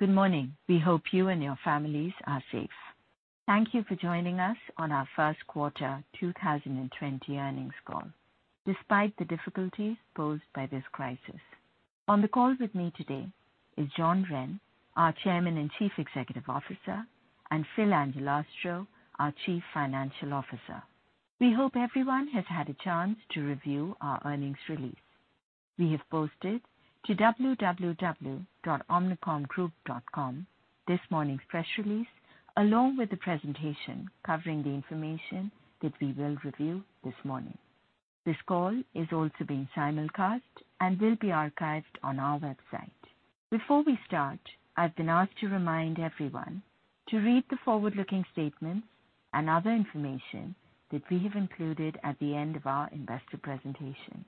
Good morning. We hope you and your families are safe. Thank you for joining us on our first quarter 2020 earnings call, despite the difficulties posed by this crisis. On the call with me today is John Wren, our Chairman and Chief Executive Officer, and Phil Angelastro, our Chief Financial Officer. We hope everyone has had a chance to review our earnings release. We have posted to www.omnicomgroup.com this morning's press release, along with the presentation covering the information that we will review this morning. This call is also being simulcast and will be archived on our website. Before we start, I've been asked to remind everyone to read the forward-looking statements and other information that we have included at the end of our investor presentation,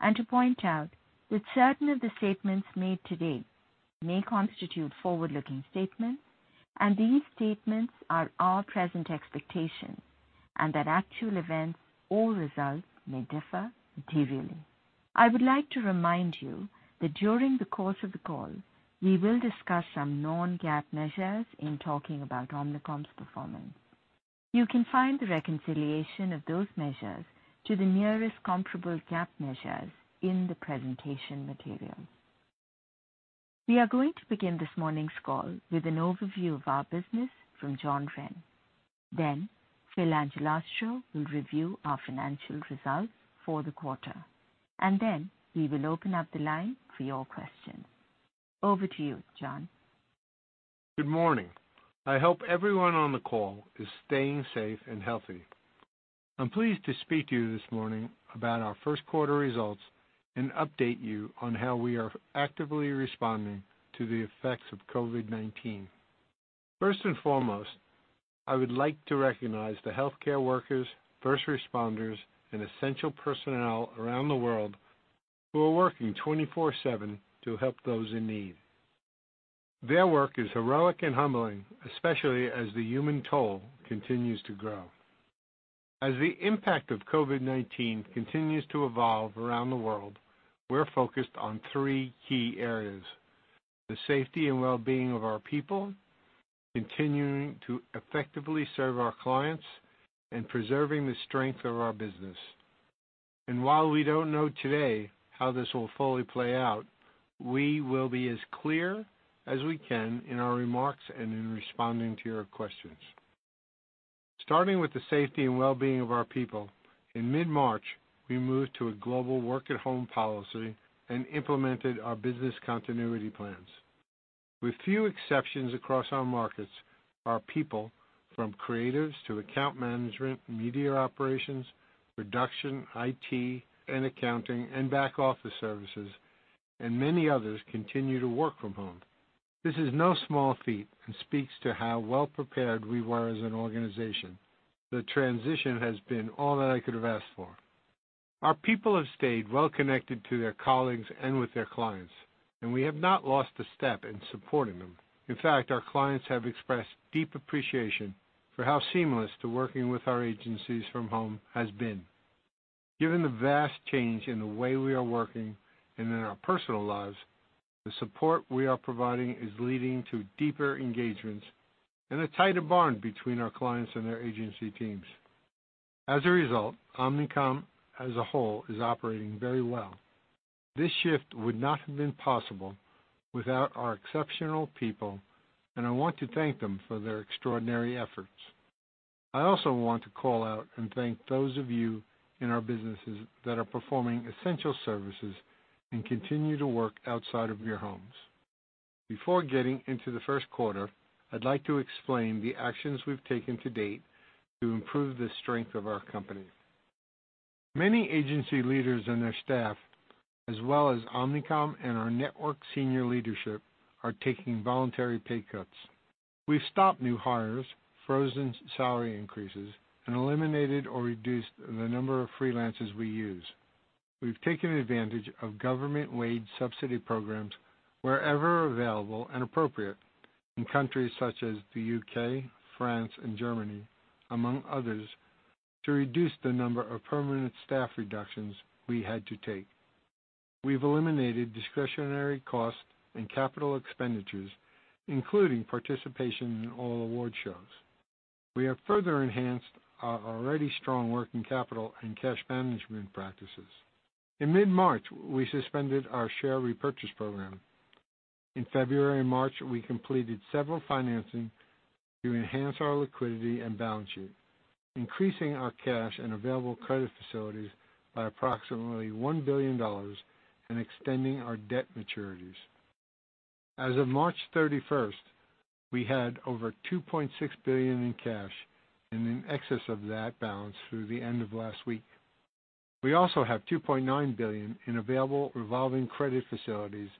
and to point out that certain of the statements made today may constitute forward-looking statements, and these statements are our present expectations, and that actual events or results may differ materially. I would like to remind you that during the course of the call, we will discuss some non-GAAP measures in talking about Omnicom's performance. You can find the reconciliation of those measures to the nearest comparable GAAP measures in the presentation material. We are going to begin this morning's call with an overview of our business from John Wren. Then, Phil Angelastro will review our financial results for the quarter, and then we will open up the line for your questions. Over to you, John. Good morning. I hope everyone on the call is staying safe and healthy. I'm pleased to speak to you this morning about our first quarter results and update you on how we are actively responding to the effects of COVID-19. First and foremost, I would like to recognize the healthcare workers, first responders, and essential personnel around the world who are working 24/7 to help those in need. Their work is heroic and humbling, especially as the human toll continues to grow. As the impact of COVID-19 continues to evolve around the world, we're focused on three key areas: the safety and well-being of our people, continuing to effectively serve our clients, and preserving the strength of our business. And while we don't know today how this will fully play out, we will be as clear as we can in our remarks and in responding to your questions. Starting with the safety and well-being of our people, in mid-March, we moved to a global work-at-home policy and implemented our business continuity plans. With few exceptions across our markets, our people, from creatives to account management, media operations, production, IT, and accounting, and back office services, and many others continue to work from home. This is no small feat and speaks to how well-prepared we were as an organization. The transition has been all that I could have asked for. Our people have stayed well-connected to their colleagues and with their clients, and we have not lost a step in supporting them. In fact, our clients have expressed deep appreciation for how seamless the working with our agencies from home has been. Given the vast change in the way we are working and in our personal lives, the support we are providing is leading to deeper engagements and a tighter bond between our clients and their agency teams. As a result, Omnicom as a whole is operating very well. This shift would not have been possible without our exceptional people, and I want to thank them for their extraordinary efforts. I also want to call out and thank those of you in our businesses that are performing essential services and continue to work outside of your homes. Before getting into the first quarter, I'd like to explain the actions we've taken to date to improve the strength of our company. Many agency leaders and their staff, as well as Omnicom and our network senior leadership, are taking voluntary pay cuts. We've stopped new hires, frozen salary increases, and eliminated or reduced the number of freelancers we use. We've taken advantage of government-waived subsidy programs wherever available and appropriate in countries such as the U.K., France, and Germany, among others, to reduce the number of permanent staff reductions we had to take. We've eliminated discretionary costs and capital expenditures, including participation in all award shows. We have further enhanced our already strong working capital and cash management practices. In mid-March, we suspended our share repurchase program. In February and March, we completed several financing to enhance our liquidity and balance sheet, increasing our cash and available credit facilities by approximately $1 billion and extending our debt maturities. As of March 31st, we had over $2.6 billion in cash and in excess of that balance through the end of last week. We also have $2.9 billion in available revolving credit facilities,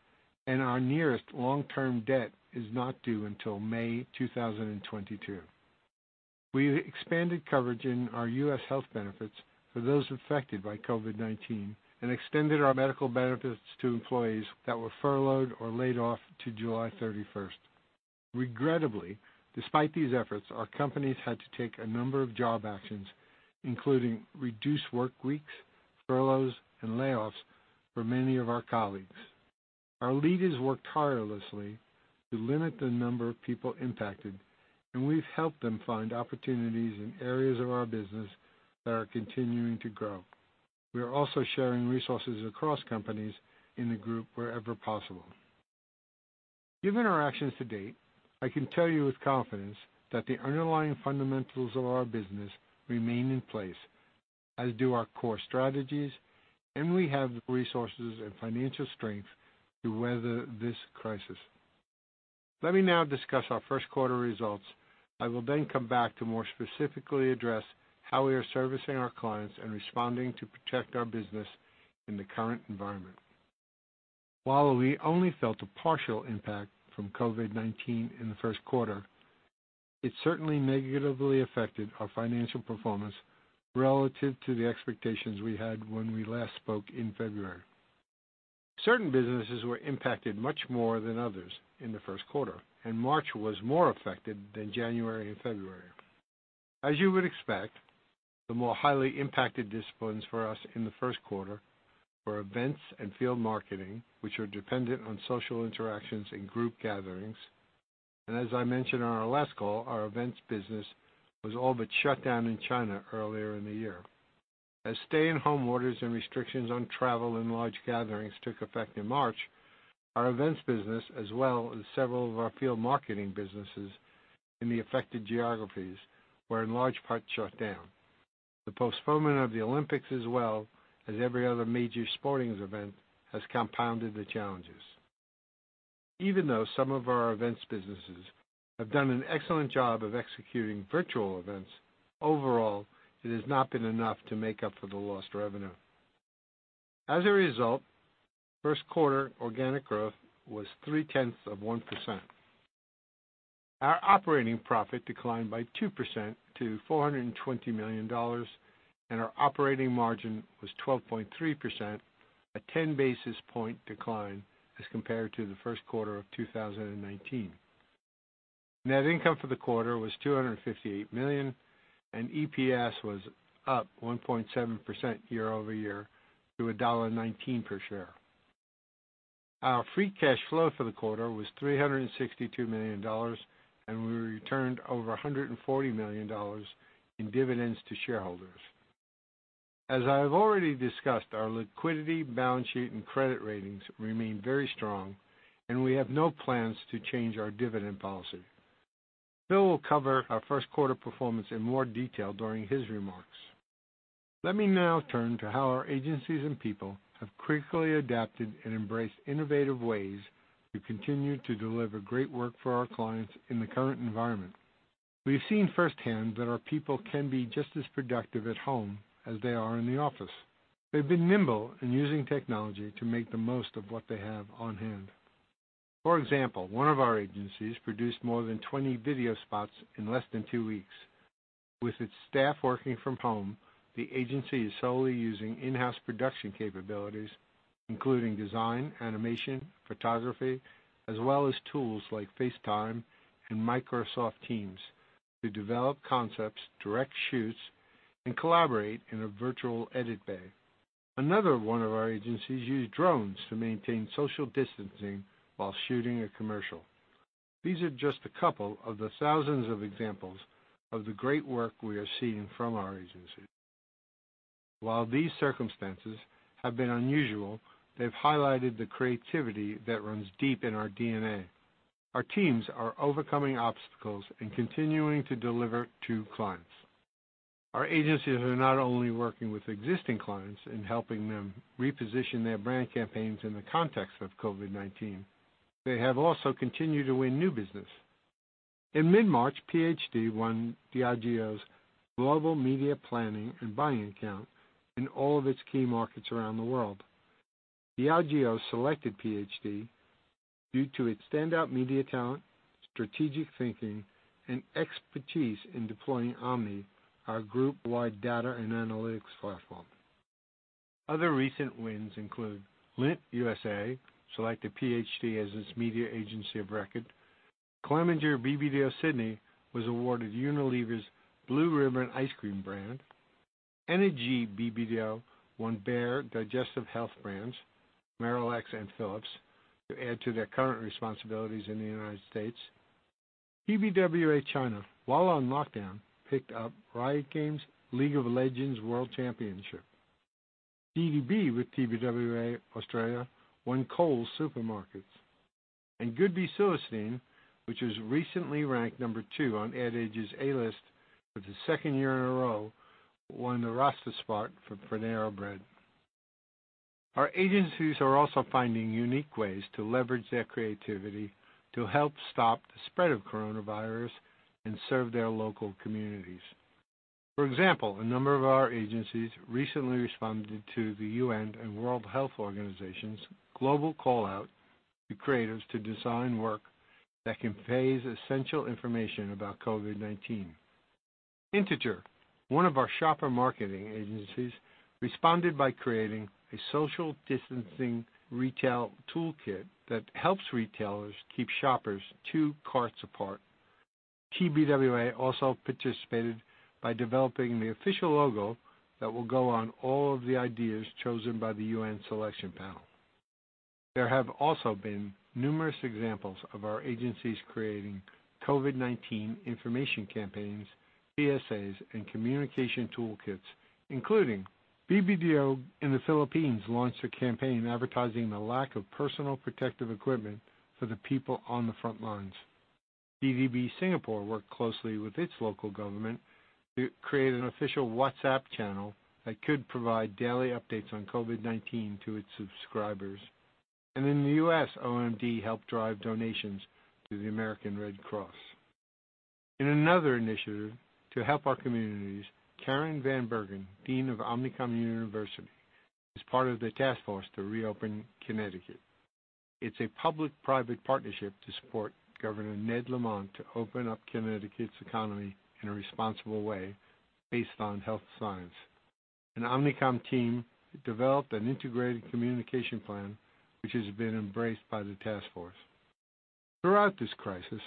and our nearest long-term debt is not due until May 2022. We've expanded coverage in our U.S. health benefits for those affected by COVID-19 and extended our medical benefits to employees that were furloughed or laid off to July 31st. Regrettably, despite these efforts, our companies had to take a number of job actions, including reduced work weeks, furloughs, and layoffs for many of our colleagues. Our leaders worked tirelessly to limit the number of people impacted, and we've helped them find opportunities in areas of our business that are continuing to grow. We are also sharing resources across companies in the group wherever possible. Given our actions to date, I can tell you with confidence that the underlying fundamentals of our business remain in place, as do our core strategies, and we have the resources and financial strength to weather this crisis. Let me now discuss our first quarter results. I will then come back to more specifically address how we are servicing our clients and responding to protect our business in the current environment. While we only felt a partial impact from COVID-19 in the first quarter, it certainly negatively affected our financial performance relative to the expectations we had when we last spoke in February. Certain businesses were impacted much more than others in the first quarter, and March was more affected than January and February. As you would expect, the more highly impacted disciplines for us in the first quarter were events and field marketing, which are dependent on social interactions and group gatherings. And as I mentioned on our last call, our events business was all but shut down in China earlier in the year. As stay-at-home orders and restrictions on travel and large gatherings took effect in March, our events business, as well as several of our field marketing businesses in the affected geographies, were in large part shut down. The postponement of the Olympics, as well as every other major sporting event, has compounded the challenges. Even though some of our events businesses have done an excellent job of executing virtual events, overall, it has not been enough to make up for the lost revenue. As a result, first quarter organic growth was 0.3%. Our operating profit declined by 2% to $420 million, and our operating margin was 12.3%, a 10 basis point decline as compared to the first quarter of 2019. Net income for the quarter was $258 million, and EPS was up 1.7% year over year to $1.19 per share. Our free cash flow for the quarter was $362 million, and we returned over $140 million in dividends to shareholders. As I have already discussed, our liquidity, balance sheet, and credit ratings remain very strong, and we have no plans to change our dividend policy. Phil will cover our first quarter performance in more detail during his remarks. Let me now turn to how our agencies and people have critically adapted and embraced innovative ways to continue to deliver great work for our clients in the current environment. We've seen firsthand that our people can be just as productive at home as they are in the office. They've been nimble in using technology to make the most of what they have on hand. For example, one of our agencies produced more than 20 video spots in less than two weeks. With its staff working from home, the agency is solely using in-house production capabilities, including design, animation, photography, as well as tools like FaceTime and Microsoft Teams to develop concepts, direct shoots, and collaborate in a virtual edit bay. Another one of our agencies used drones to maintain social distancing while shooting a commercial. These are just a couple of the thousands of examples of the great work we are seeing from our agencies. While these circumstances have been unusual, they've highlighted the creativity that runs deep in our DNA. Our teams are overcoming obstacles and continuing to deliver to clients. Our agencies are not only working with existing clients in helping them reposition their brand campaigns in the context of COVID-19. They have also continued to win new business. In mid-March, PHD won the Diageo's Global Media Planning and Buying Account in all of its key markets around the world. The Diageo selected PHD due to its standout media talent, strategic thinking, and expertise in deploying Omni, our group-wide data and analytics platform. Other recent wins include Lindt USA selected PHD as its media agency of record. Clemenger BBDO Sydney was awarded Unilever's Blue Ribbon ice cream brand. Energy BBDO won Bayer Digestive Health brands, MiraLAX and Phillips', to add to their current responsibilities in the United States. TBWA China, while on lockdown, picked up Riot Games League of Legends World Championship. DDB with TBWA Australia won Coles Supermarkets. Goodby Silverstein, which was recently ranked number two on Ad Age's A-List for the second year in a row, won the Spark for Panera Bread. Our agencies are also finding unique ways to leverage their creativity to help stop the spread of coronavirus and serve their local communities. For example, a number of our agencies recently responded to the UN and World Health Organization's global call-out to creatives to design work that conveys essential information about COVID-19. Integer, one of our shopper marketing agencies, responded by creating a social distancing retail toolkit that helps retailers keep shoppers two carts apart. TBWA also participated by developing the official logo that will go on all of the ideas chosen by the UN selection panel. There have also been numerous examples of our agencies creating COVID-19 information campaigns, PSAs, and communication toolkits, including, BBDO in the Philippines, launched a campaign advertising the lack of personal protective equipment for the people on the front lines. DDB Singapore worked closely with its local government to create an official WhatsApp channel that could provide daily updates on COVID-19 to its subscribers. And in the U.S., OMD helped drive donations to the American Red Cross. In another initiative to help our communities, Karen van Bergen, Dean of Omnicom University, is part of the task force to reopen Connecticut. It's a public-private partnership to support Governor Ned Lamont to open up Connecticut's economy in a responsible way based on health science. An Omnicom team developed an integrated communication plan, which has been embraced by the task force. Throughout this crisis,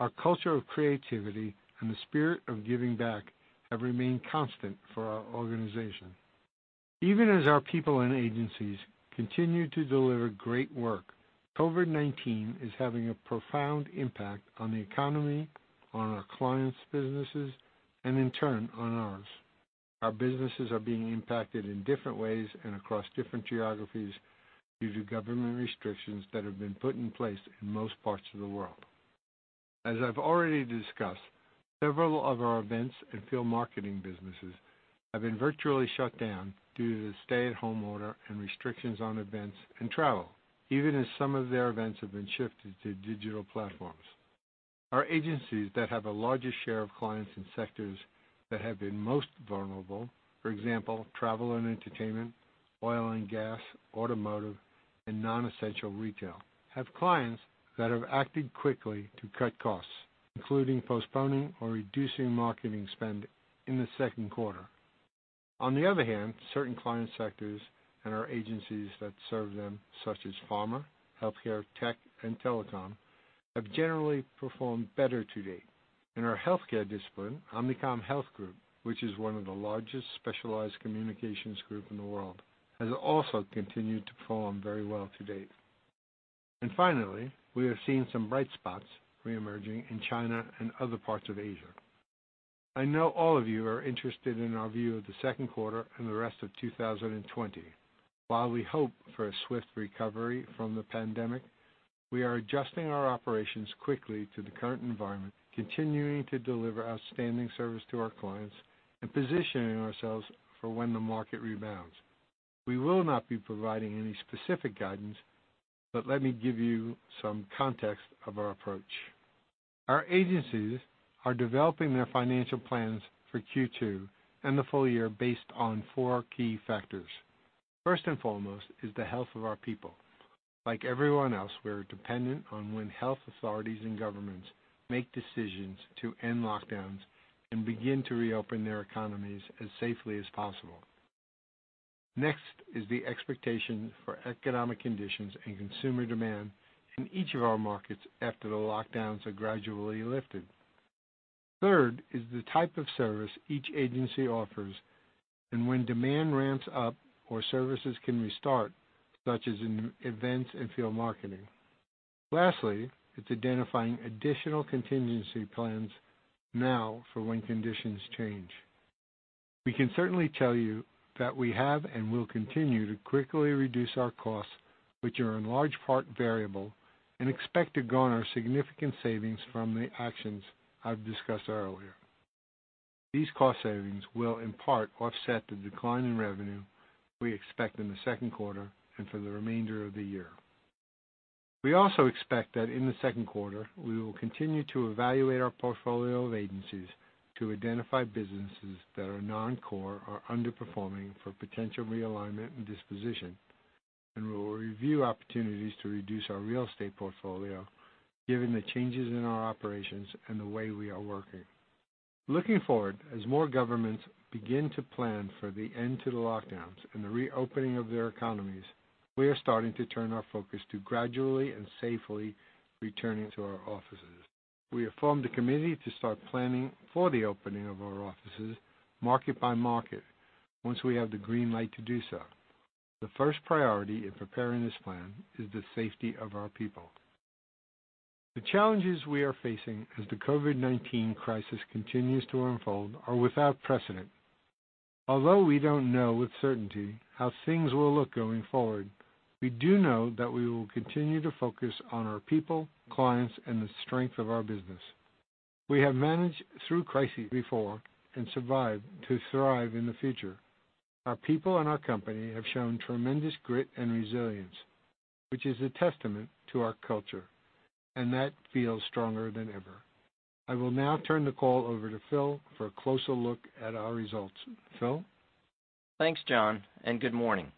our culture of creativity and the spirit of giving back have remained constant for our organization. Even as our people and agencies continue to deliver great work, COVID-19 is having a profound impact on the economy, on our clients' businesses, and in turn on ours. Our businesses are being impacted in different ways and across different geographies due to government restrictions that have been put in place in most parts of the world. As I've already discussed, several of our events and field marketing businesses have been virtually shut down due to the stay-at-home order and restrictions on events and travel, even as some of their events have been shifted to digital platforms. Our agencies that have the largest share of clients in sectors that have been most vulnerable, for example, travel and entertainment, oil and gas, automotive, and non-essential retail, have clients that have acted quickly to cut costs, including postponing or reducing marketing spend in the second quarter. On the other hand, certain client sectors and our agencies that serve them, such as pharma, healthcare, tech, and telecom, have generally performed better to date. In our healthcare discipline, Omnicom Health Group, which is one of the largest specialized communications groups in the world, has also continued to perform very well to date, and finally, we have seen some bright spots reemerging in China and other parts of Asia. I know all of you are interested in our view of the second quarter and the rest of 2020. While we hope for a swift recovery from the pandemic, we are adjusting our operations quickly to the current environment, continuing to deliver outstanding service to our clients, and positioning ourselves for when the market rebounds. We will not be providing any specific guidance, but let me give you some context of our approach. Our agencies are developing their financial plans for Q2 and the full year based on four key factors. First and foremost is the health of our people. Like everyone else, we're dependent on when health authorities and governments make decisions to end lockdowns and begin to reopen their economies as safely as possible. Next is the expectation for economic conditions and consumer demand in each of our markets after the lockdowns are gradually lifted. Third is the type of service each agency offers and when demand ramps up or services can restart, such as in events and field marketing. Lastly, it's identifying additional contingency plans now for when conditions change. We can certainly tell you that we have and will continue to quickly reduce our costs, which are in large part variable, and expect to garner significant savings from the actions I've discussed earlier. These cost savings will, in part, offset the decline in revenue we expect in the second quarter and for the remainder of the year. We also expect that in the second quarter, we will continue to evaluate our portfolio of agencies to identify businesses that are non-core or underperforming for potential realignment and disposition, and we will review opportunities to reduce our real estate portfolio given the changes in our operations and the way we are working. Looking forward, as more governments begin to plan for the end to the lockdowns and the reopening of their economies, we are starting to turn our focus to gradually and safely returning to our offices. We have formed a committee to start planning for the opening of our offices, market by market, once we have the green light to do so. The first priority in preparing this plan is the safety of our people. The challenges we are facing as the COVID-19 crisis continues to unfold are without precedent. Although we don't know with certainty how things will look going forward, we do know that we will continue to focus on our people, clients, and the strength of our business. We have managed through crises before and survived to thrive in the future. Our people and our company have shown tremendous grit and resilience, which is a testament to our culture, and that feels stronger than ever. I will now turn the call over to Phil for a closer look at our results. Phil? Thanks, John, and good morning.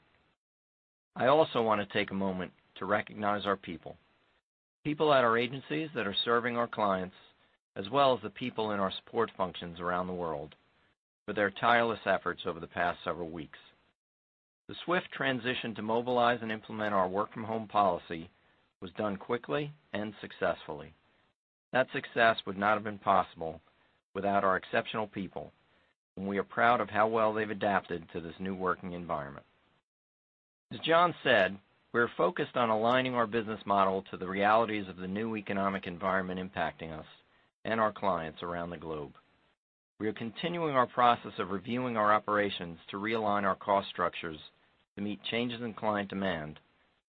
I also want to take a moment to recognize our people, people at our agencies that are serving our clients, as well as the people in our support functions around the world, for their tireless efforts over the past several weeks. The swift transition to mobilize and implement our work-from-home policy was done quickly and successfully. That success would not have been possible without our exceptional people, and we are proud of how well they've adapted to this new working environment. As John said, we are focused on aligning our business model to the realities of the new economic environment impacting us and our clients around the globe. We are continuing our process of reviewing our operations to realign our cost structures to meet changes in client demand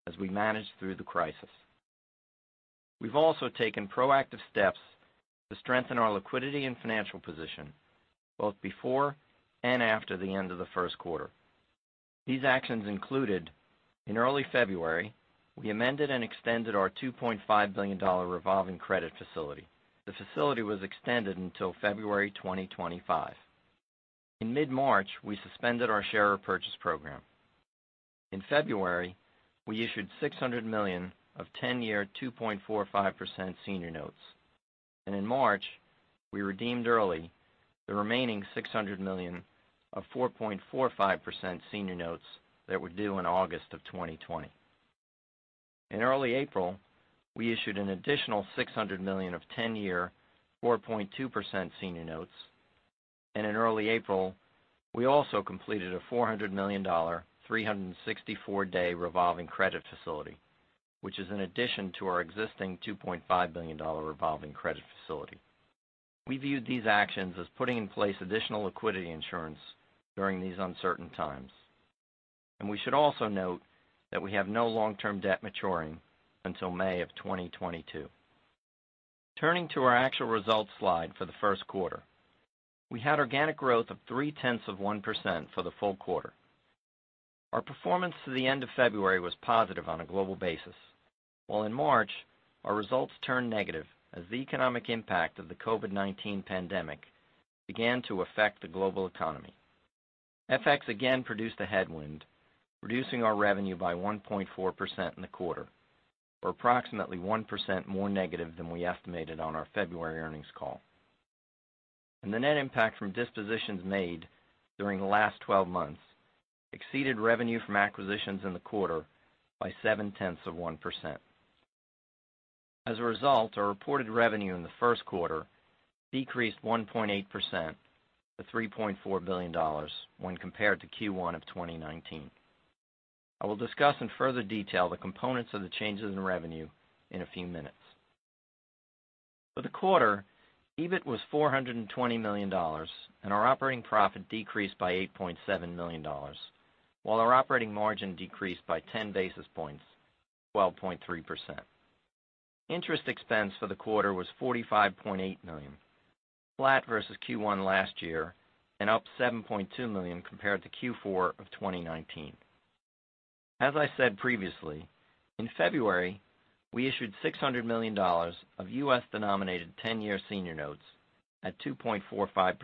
as we manage through the crisis. We've also taken proactive steps to strengthen our liquidity and financial position both before and after the end of the first quarter. These actions included: in early February, we amended and extended our $2.5 billion revolving credit facility. The facility was extended until February 2025. In mid-March, we suspended our share repurchase program. In February, we issued $600 million of 10-year 2.45% senior notes. And in March, we redeemed early the remaining $600 million of 4.45% senior notes that were due in August of 2020. In early April, we issued an additional $600 million of 10-year 4.2% senior notes, and in early April, we also completed a $400 million 364-day revolving credit facility, which is in addition to our existing $2.5 billion revolving credit facility. We viewed these actions as putting in place additional liquidity insurance during these uncertain times, and we should also note that we have no long-term debt maturing until May of 2022. Turning to our actual results slide for the first quarter, we had organic growth of 0.3% for the full quarter. Our performance to the end of February was positive on a global basis, while in March, our results turned negative as the economic impact of the COVID-19 pandemic began to affect the global economy. FX again produced a headwind, reducing our revenue by 1.4% in the quarter, or approximately 1% more negative than we estimated on our February earnings call. And the net impact from dispositions made during the last 12 months exceeded revenue from acquisitions in the quarter by 0.7%. As a result, our reported revenue in the first quarter decreased 1.8% to $3.4 billion when compared to Q1 of 2019. I will discuss in further detail the components of the changes in revenue in a few minutes. For the quarter, EBIT was $420 million, and our operating profit decreased by $8.7 million, while our operating margin decreased by 10 basis points, 12.3%. Interest expense for the quarter was $45.8 million, flat versus Q1 last year and up $7.2 million compared to Q4 of 2019. As I said previously, in February, we issued $600 million of U.S.-denominated 10-year senior notes at 2.45%,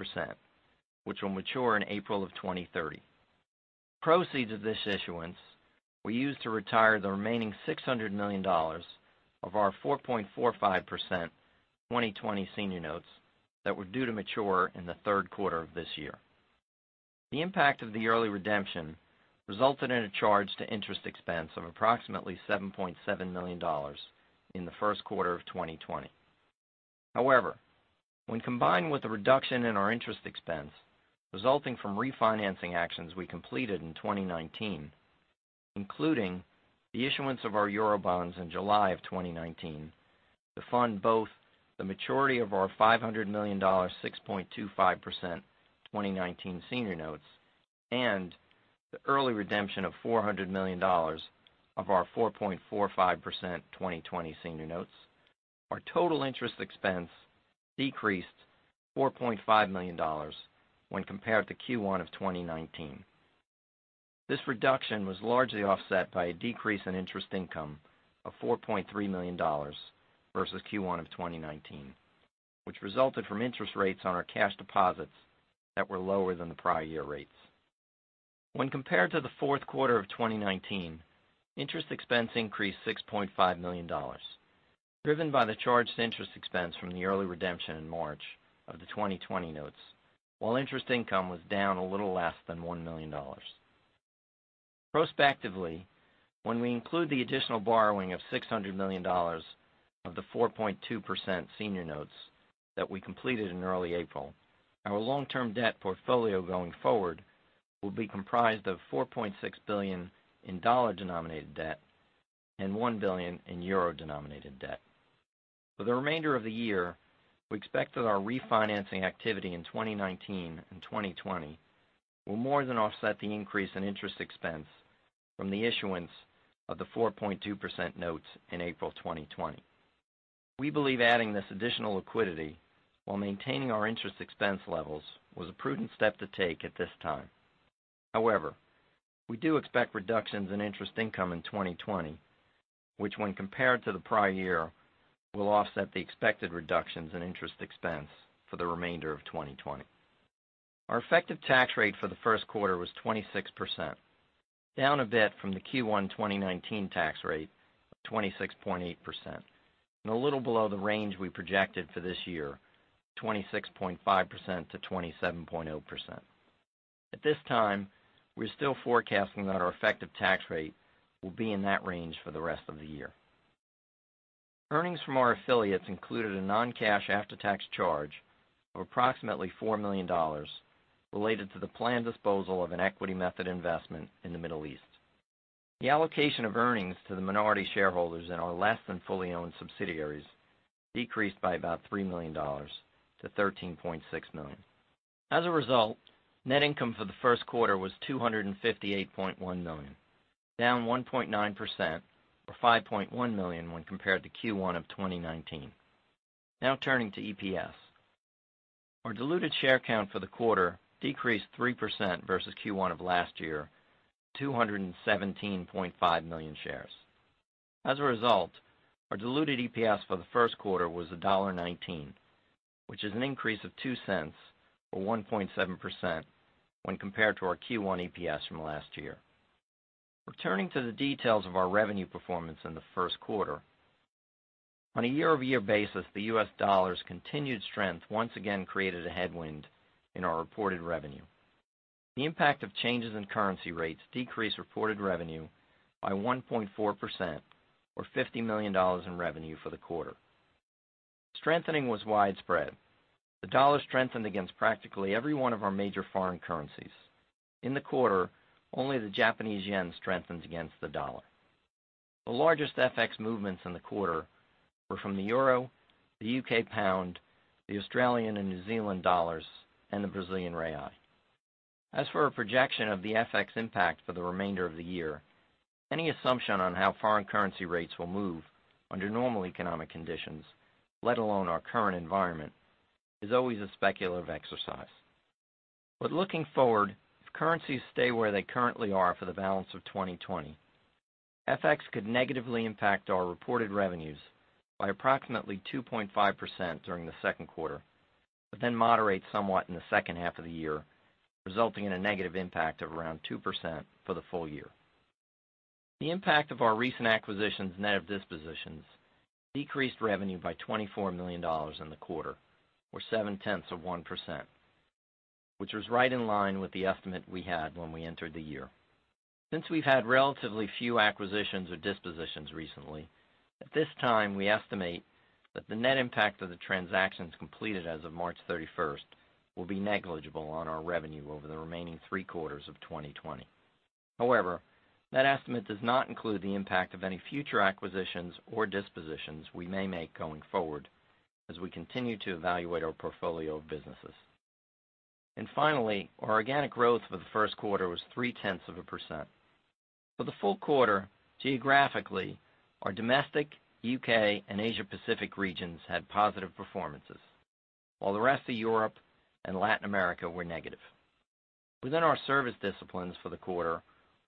which will mature in April of 2030. Proceeds of this issuance were used to retire the remaining $600 million of our 4.45% 2020 senior notes that were due to mature in the third quarter of this year. The impact of the early redemption resulted in a charge to interest expense of approximately $7.7 million in the first quarter of 2020. However, when combined with the reduction in our interest expense resulting from refinancing actions we completed in 2019, including the issuance of our Eurobonds in July of 2019, to fund both the maturity of our $500 million 6.25% 2019 senior notes and the early redemption of $400 million of our 4.45% 2020 senior notes, our total interest expense decreased $4.5 million when compared to Q1 of 2019. This reduction was largely offset by a decrease in interest income of $4.3 million versus Q1 of 2019, which resulted from interest rates on our cash deposits that were lower than the prior year rates. When compared to the fourth quarter of 2019, interest expense increased $6.5 million, driven by the charged interest expense from the early redemption in March of the 2020 notes, while interest income was down a little less than $1 million. Prospectively, when we include the additional borrowing of $600 million of the 4.2% senior notes that we completed in early April, our long-term debt portfolio going forward will be comprised of $4.6 billion in dollar-denominated debt and $1 billion in euro-denominated debt. For the remainder of the year, we expect that our refinancing activity in 2019 and 2020 will more than offset the increase in interest expense from the issuance of the 4.2% notes in April 2020. We believe adding this additional liquidity while maintaining our interest expense levels was a prudent step to take at this time. However, we do expect reductions in interest income in 2020, which, when compared to the prior year, will offset the expected reductions in interest expense for the remainder of 2020. Our effective tax rate for the first quarter was 26%, down a bit from the Q1 2019 tax rate of 26.8%, and a little below the range we projected for this year, 26.5%-27.0%. At this time, we're still forecasting that our effective tax rate will be in that range for the rest of the year. Earnings from our affiliates included a non-cash after-tax charge of approximately $4 million related to the planned disposal of an equity method investment in the Middle East. The allocation of earnings to the minority shareholders in our less-than-fully-owned subsidiaries decreased by about $3 million to 13.6 million. As a result, net income for the first quarter was $258.1 million, down 1.9% or 5.1 million when compared to Q1 of 2019. Now turning to EPS. Our diluted share count for the quarter decreased 3% versus Q1 of last year, 217.5 million shares. As a result, our diluted EPS for the first quarter was $1.19, which is an increase of $0.02 or 1.7% when compared to our Q1 EPS from last year. Returning to the details of our revenue performance in the first quarter, on a year-over-year basis, the U.S. dollar's continued strength once again created a headwind in our reported revenue. The impact of changes in currency rates decreased reported revenue by 1.4% or $50 million in revenue for the quarter. Strengthening was widespread. The dollar strengthened against practically every one of our major foreign currencies. In the quarter, only the Japanese yen strengthened against the dollar. The largest FX movements in the quarter were from the euro, the U.K. pound, the Australian and New Zealand dollars, and the Brazilian real. As for a projection of the FX impact for the remainder of the year, any assumption on how foreign currency rates will move under normal economic conditions, let alone our current environment, is always a speculative exercise. But looking forward, if currencies stay where they currently are for the balance of 2020, FX could negatively impact our reported revenues by approximately 2.5% during the second quarter, but then moderate somewhat in the second half of the year, resulting in a negative impact of around 2% for the full year. The impact of our recent acquisitions net of dispositions decreased revenue by $24 million in the quarter, or 7/10 of 1%, which was right in line with the estimate we had when we entered the year. Since we've had relatively few acquisitions or dispositions recently, at this time, we estimate that the net impact of the transactions completed as of March 31st will be negligible on our revenue over the remaining three quarters of 2020. However, that estimate does not include the impact of any future acquisitions or dispositions we may make going forward as we continue to evaluate our portfolio of businesses, and finally, our organic growth for the first quarter was 0.3%. For the full quarter, geographically, our domestic, U.K., and Asia-Pacific regions had positive performances, while the rest of Europe and Latin America were negative. Within our service disciplines for the quarter,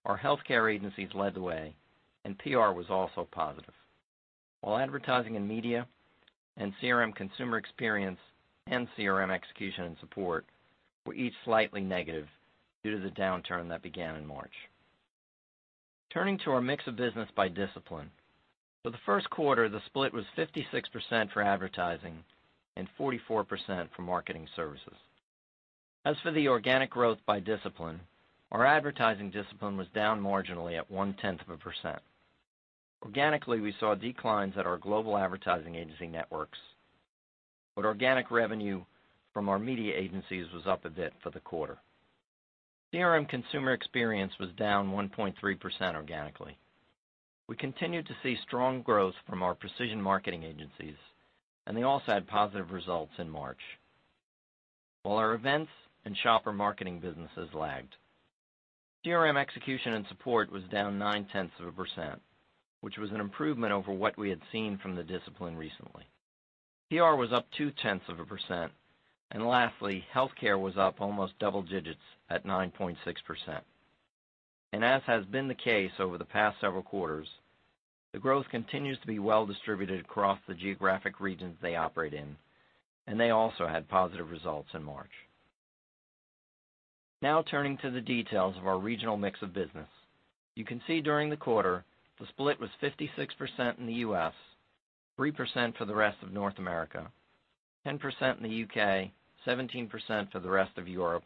our healthcare agencies led the way, and PR was also positive, while advertising and media, and CRM consumer experience, and CRM execution and support were each slightly negative due to the downturn that began in March. Turning to our mix of business by discipline, for the first quarter, the split was 56% for advertising and 44% for marketing services. As for the organic growth by discipline, our advertising discipline was down marginally at 0.1%. Organically, we saw declines at our global advertising agency networks, but organic revenue from our media agencies was up a bit for the quarter. CRM consumer experience was down 1.3% organically. We continued to see strong growth from our precision marketing agencies, and they also had positive results in March, while our events and shopper marketing businesses lagged. CRM execution and support was down 0.9%, which was an improvement over what we had seen from the discipline recently. PR was up 0.2%. Lastly, healthcare was up almost double digits at 9.6%. As has been the case over the past several quarters, the growth continues to be well distributed across the geographic regions they operate in, and they also had positive results in March. Now turning to the details of our regional mix of business, you can see during the quarter, the split was 56% in the U.S., 3% for the rest of North America, 10% in the U.K., 17% for the rest of Europe,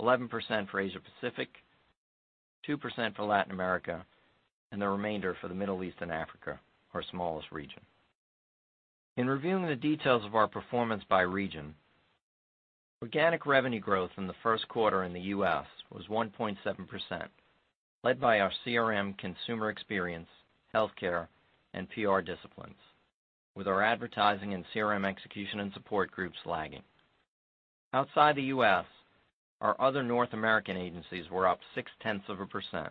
11% for Asia-Pacific, 2% for Latin America, and the remainder for the Middle East and Africa, our smallest region. In reviewing the details of our performance by region, organic revenue growth in the first quarter in the U.S. was 1.7%, led by our CRM consumer experience, healthcare, and PR disciplines, with our advertising and CRM execution and support groups lagging. Outside the U.S., our other North American agencies were up 0.6%,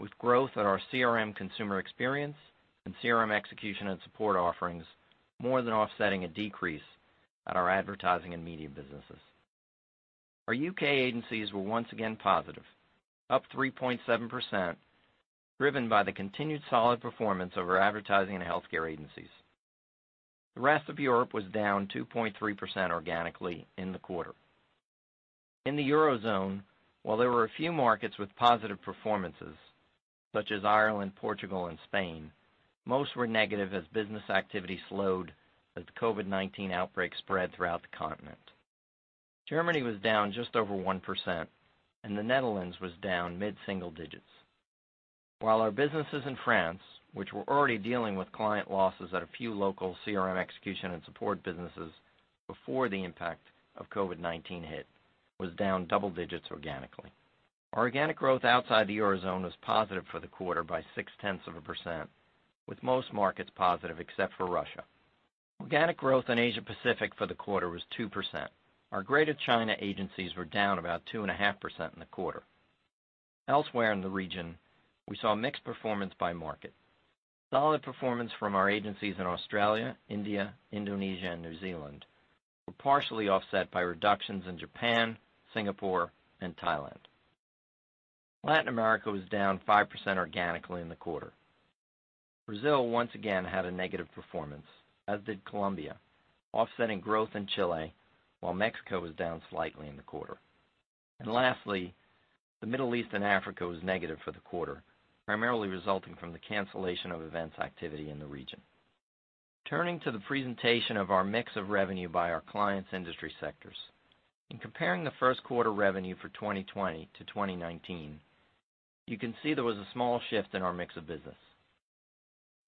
with growth at our CRM consumer experience and CRM execution and support offerings more than offsetting a decrease at our advertising and media businesses. Our U.K. agencies were once again positive, up 3.7%, driven by the continued solid performance of our advertising and healthcare agencies. The rest of Europe was down 2.3% organically in the quarter. In the Eurozone, while there were a few markets with positive performances, such as Ireland, Portugal, and Spain, most were negative as business activity slowed as the COVID-19 outbreak spread throughout the continent. Germany was down just over 1%, and the Netherlands was down mid-single digits. While our businesses in France, which were already dealing with client losses at a few local CRM execution and support businesses before the impact of COVID-19 hit, were down double digits organically. Our organic growth outside the Eurozone was positive for the quarter by 0.6%, with most markets positive except for Russia. Organic growth in Asia-Pacific for the quarter was 2%. Our Greater China agencies were down about 2.5% in the quarter. Elsewhere in the region, we saw mixed performance by market. Solid performance from our agencies in Australia, India, Indonesia, and New Zealand were partially offset by reductions in Japan, Singapore, and Thailand. Latin America was down 5% organically in the quarter. Brazil once again had a negative performance, as did Colombia, offsetting growth in Chile, while Mexico was down slightly in the quarter, and lastly, the Middle East and Africa was negative for the quarter, primarily resulting from the cancellation of events activity in the region. Turning to the presentation of our mix of revenue by our clients' industry sectors, in comparing the first quarter revenue for 2020-2019, you can see there was a small shift in our mix of business.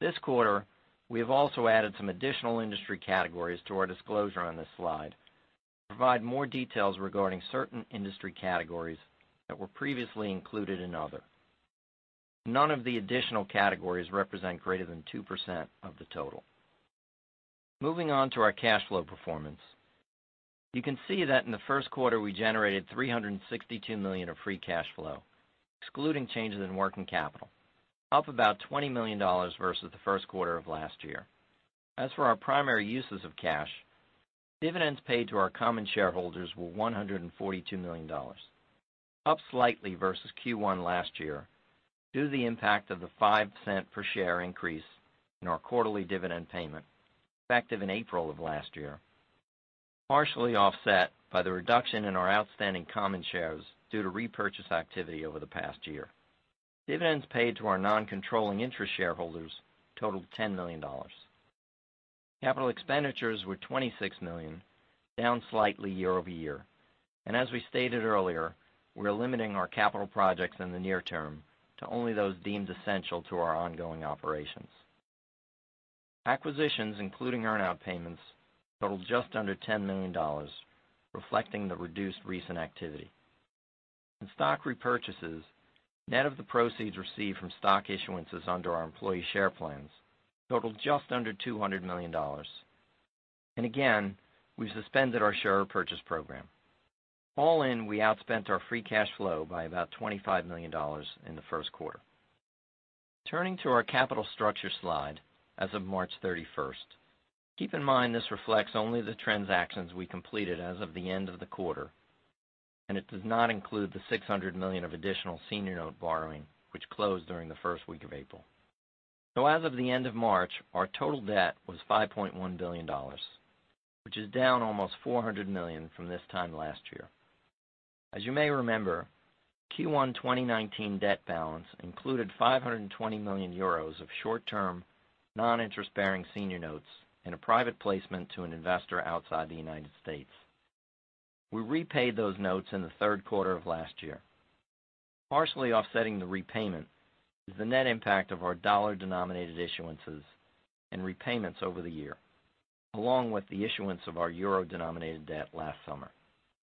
This quarter, we have also added some additional industry categories to our disclosure on this slide to provide more details regarding certain industry categories that were previously included in other. None of the additional categories represent greater than 2% of the total. Moving on to our cash flow performance, you can see that in the first quarter, we generated $362 million of free cash flow, excluding changes in working capital, up about $20 million versus the first quarter of last year. As for our primary uses of cash, dividends paid to our common shareholders were $142 million, up slightly versus Q1 last year due to the impact of the $0.05 per share increase in our quarterly dividend payment effective in April of last year, partially offset by the reduction in our outstanding common shares due to repurchase activity over the past year. Dividends paid to our non-controlling interest shareholders totaled $10 million. Capital expenditures were $26 million, down slightly year over year. And as we stated earlier, we're limiting our capital projects in the near term to only those deemed essential to our ongoing operations. Acquisitions, including earn-out payments, totaled just under $10 million, reflecting the reduced recent activity. In stock repurchases, net of the proceeds received from stock issuances under our employee share plans, totaled just under $200 million. And again, we've suspended our share purchase program. All in, we outspent our free cash flow by about $25 million in the first quarter. Turning to our capital structure slide as of March 31st, keep in mind this reflects only the transactions we completed as of the end of the quarter, and it does not include the $600 million of additional senior note borrowing, which closed during the first week of April. As of the end of March, our total debt was $5.1 billion, which is down almost $400 million from this time last year. As you may remember, Q1 2019 debt balance included 520 million euros of short-term non-interest-bearing senior notes in a private placement to an investor outside the United States. We repaid those notes in the third quarter of last year. Partially offsetting the repayment is the net impact of our dollar-denominated issuances and repayments over the year, along with the issuance of our euro-denominated debt last summer.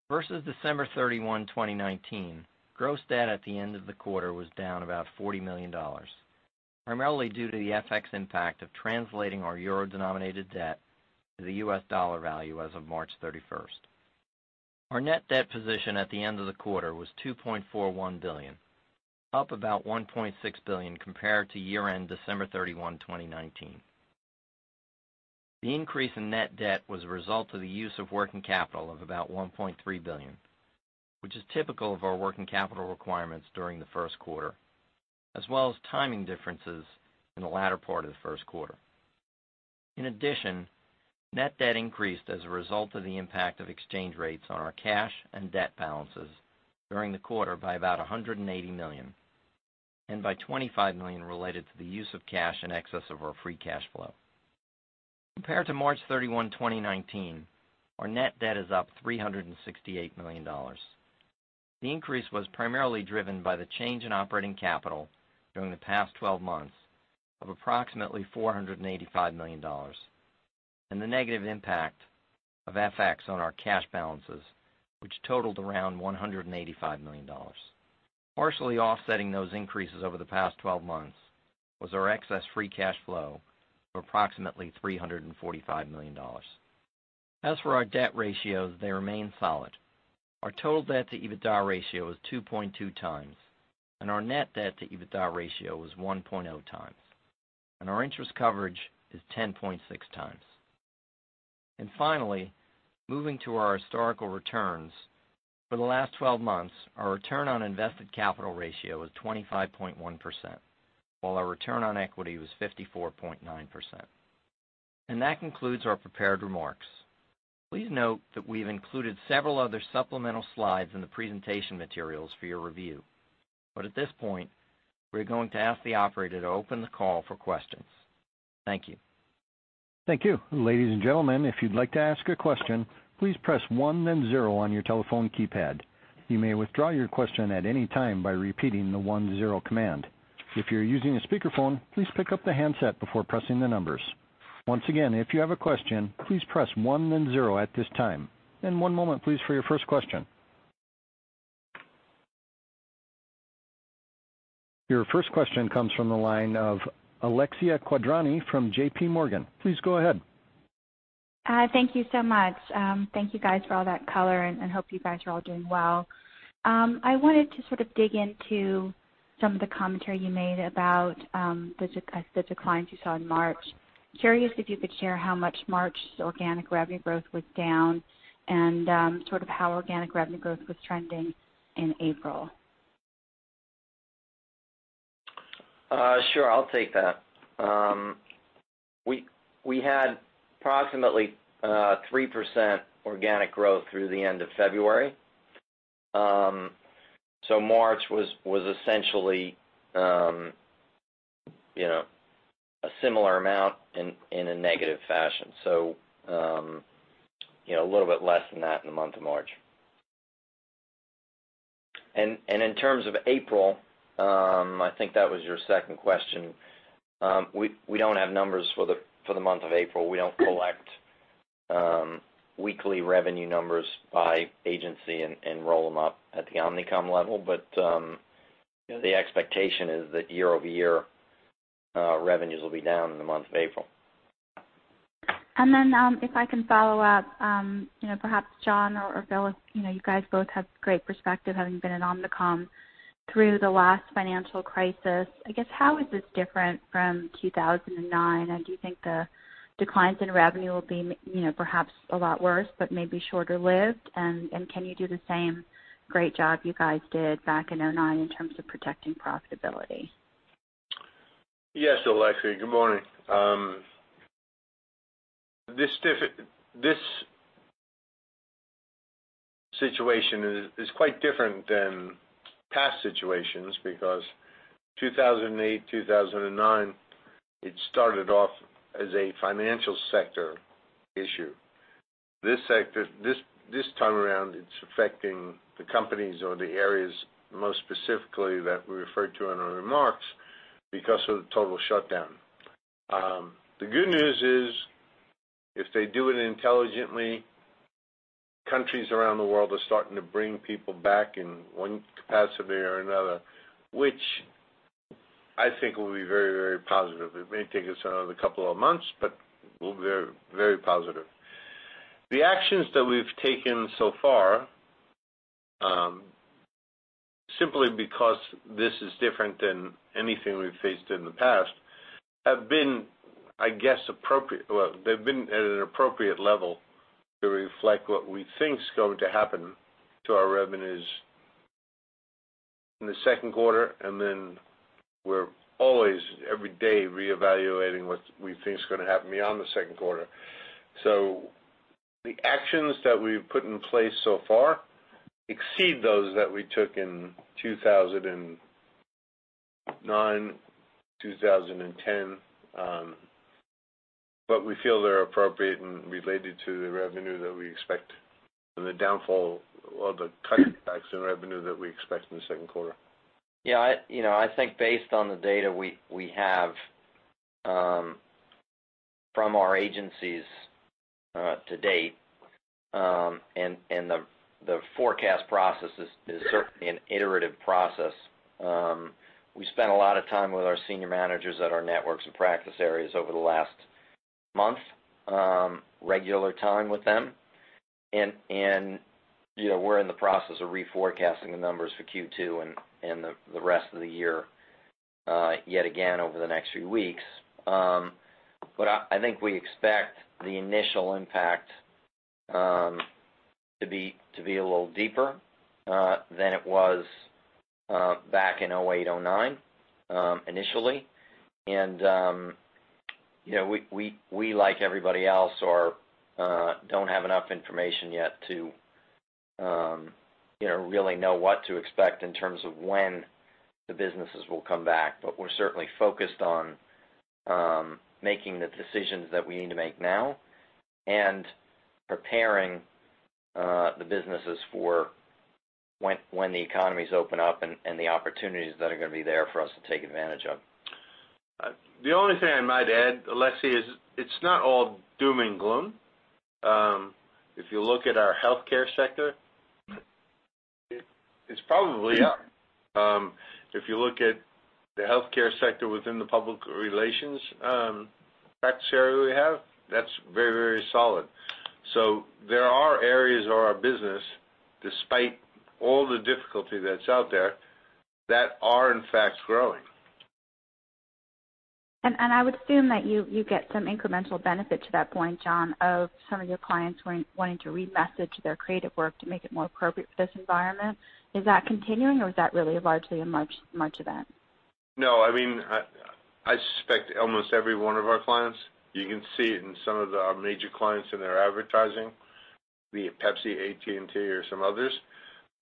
Versus December 31, 2019, gross debt at the end of the quarter was down about $40 million, primarily due to the FX impact of translating our euro-denominated debt to the U.S. dollar value as of March 31st. Our net debt position at the end of the quarter was $2.41 billion, up about $1.6 billion compared to year-end December 31, 2019. The increase in net debt was a result of the use of working capital of about $1.3 billion, which is typical of our working capital requirements during the first quarter, as well as timing differences in the latter part of the first quarter. In addition, net debt increased as a result of the impact of exchange rates on our cash and debt balances during the quarter by about $180 million, and by $25 million related to the use of cash in excess of our free cash flow. Compared to March 31, 2019, our net debt is up $368 million. The increase was primarily driven by the change in working capital during the past 12 months of approximately $485 million, and the negative impact of FX on our cash balances, which totaled around $185 million. Partially offsetting those increases over the past 12 months was our excess free cash flow of approximately $345 million. As for our debt ratios, they remain solid. Our total debt-to-EBITDA ratio is 2.2 times, and our net debt-to-EBITDA ratio is 1.0 times, and our interest coverage is 10.6 times. Finally, moving to our historical returns, for the last 12 months, our return on invested capital ratio is 25.1%, while our return on equity was 54.9%. That concludes our prepared remarks. Please note that we have included several other supplemental slides in the presentation materials for your review, but at this point, we're going to ask the operator to open the call for questions. Thank you. Thank you. Ladies and gentlemen, if you'd like to ask a question, please press 1, then 0 on your telephone keypad. You may withdraw your question at any time by repeating the 1, 0 command. If you're using a speakerphone, please pick up the handset before pressing the numbers. Once again, if you have a question, please press 1, then 0 at this time. And one moment, please, for your first question. Your first question comes from the line of Alexia Quadrani from JPMorgan. Please go ahead. Thank you so much. Thank you, guys, for all that color, and hope you guys are all doing well. I wanted to sort of dig into some of the commentary you made about the declines you saw in March. Curious if you could share how much March's organic revenue growth was down and sort of how organic revenue growth was trending in April. Sure. I'll take that. We had approximately 3% organic growth through the end of February. March was essentially a similar amount in a negative fashion, so a little bit less than that in the month of March. And in terms of April, I think that was your second question. We don't have numbers for the month of April. We don't collect weekly revenue numbers by agency and roll them up at the Omnicom level, but the expectation is that year-over-year revenues will be down in the month of April. And then if I can follow up, perhaps John or Phil, you guys both have great perspective having been at Omnicom through the last financial crisis. I guess, how is this different from 2009? Do you think the declines in revenue will be perhaps a lot worse, but maybe shorter-lived, and can you do the same great job you guys did back in 2009 in terms of protecting profitability? Yes, Alexia. Good morning. This situation is quite different than past situations because 2008, 2009, it started off as a financial sector issue. This time around, it's affecting the companies or the areas most specifically that we referred to in our remarks because of the total shutdown. The good news is if they do it intelligently, countries around the world are starting to bring people back in one capacity or another, which I think will be very, very positive. It may take us another couple of months, but we'll be very positive. The actions that we've taken so far, simply because this is different than anything we've faced in the past, have been, I guess, appropriate, well, they've been at an appropriate level to reflect what we think is going to happen to our revenues in the second quarter, and then we're always, every day, reevaluating what we think is going to happen beyond the second quarter, so the actions that we've put in place so far exceed those that we took in 2009, 2010, but we feel they're appropriate and related to the revenue that we expect and the downfall or the cutbacks in revenue that we expect in the second quarter. Yeah. I think based on the data we have from our agencies to date and the forecast process is certainly an iterative process. We spent a lot of time with our senior managers at our networks and practice areas over the last month, regular time with them, and we're in the process of reforecasting the numbers for Q2 and the rest of the year yet again over the next few weeks. I think we expect the initial impact to be a little deeper than it was back in 2008, 2009 initially. We, like everybody else, don't have enough information yet to really know what to expect in terms of when the businesses will come back, but we're certainly focused on making the decisions that we need to make now and preparing the businesses for when the economy's open up and the opportunities that are going to be there for us to take advantage of. The only thing I might add, Alexia, is it's not all doom and gloom. If you look at our healthcare sector, it's probably up. If you look at the healthcare sector within the public relations practice area we have, that's very, very solid. So there are areas of our business, despite all the difficulty that's out there, that are, in fact, growing. I would assume that you get some incremental benefit to that point, John, of some of your clients wanting to remessage their creative work to make it more appropriate for this environment. Is that continuing, or is that really largely a March event? No. I mean, I suspect almost every one of our clients. You can see it in some of our major clients in their advertising, be it Pepsi, AT&T, or some others,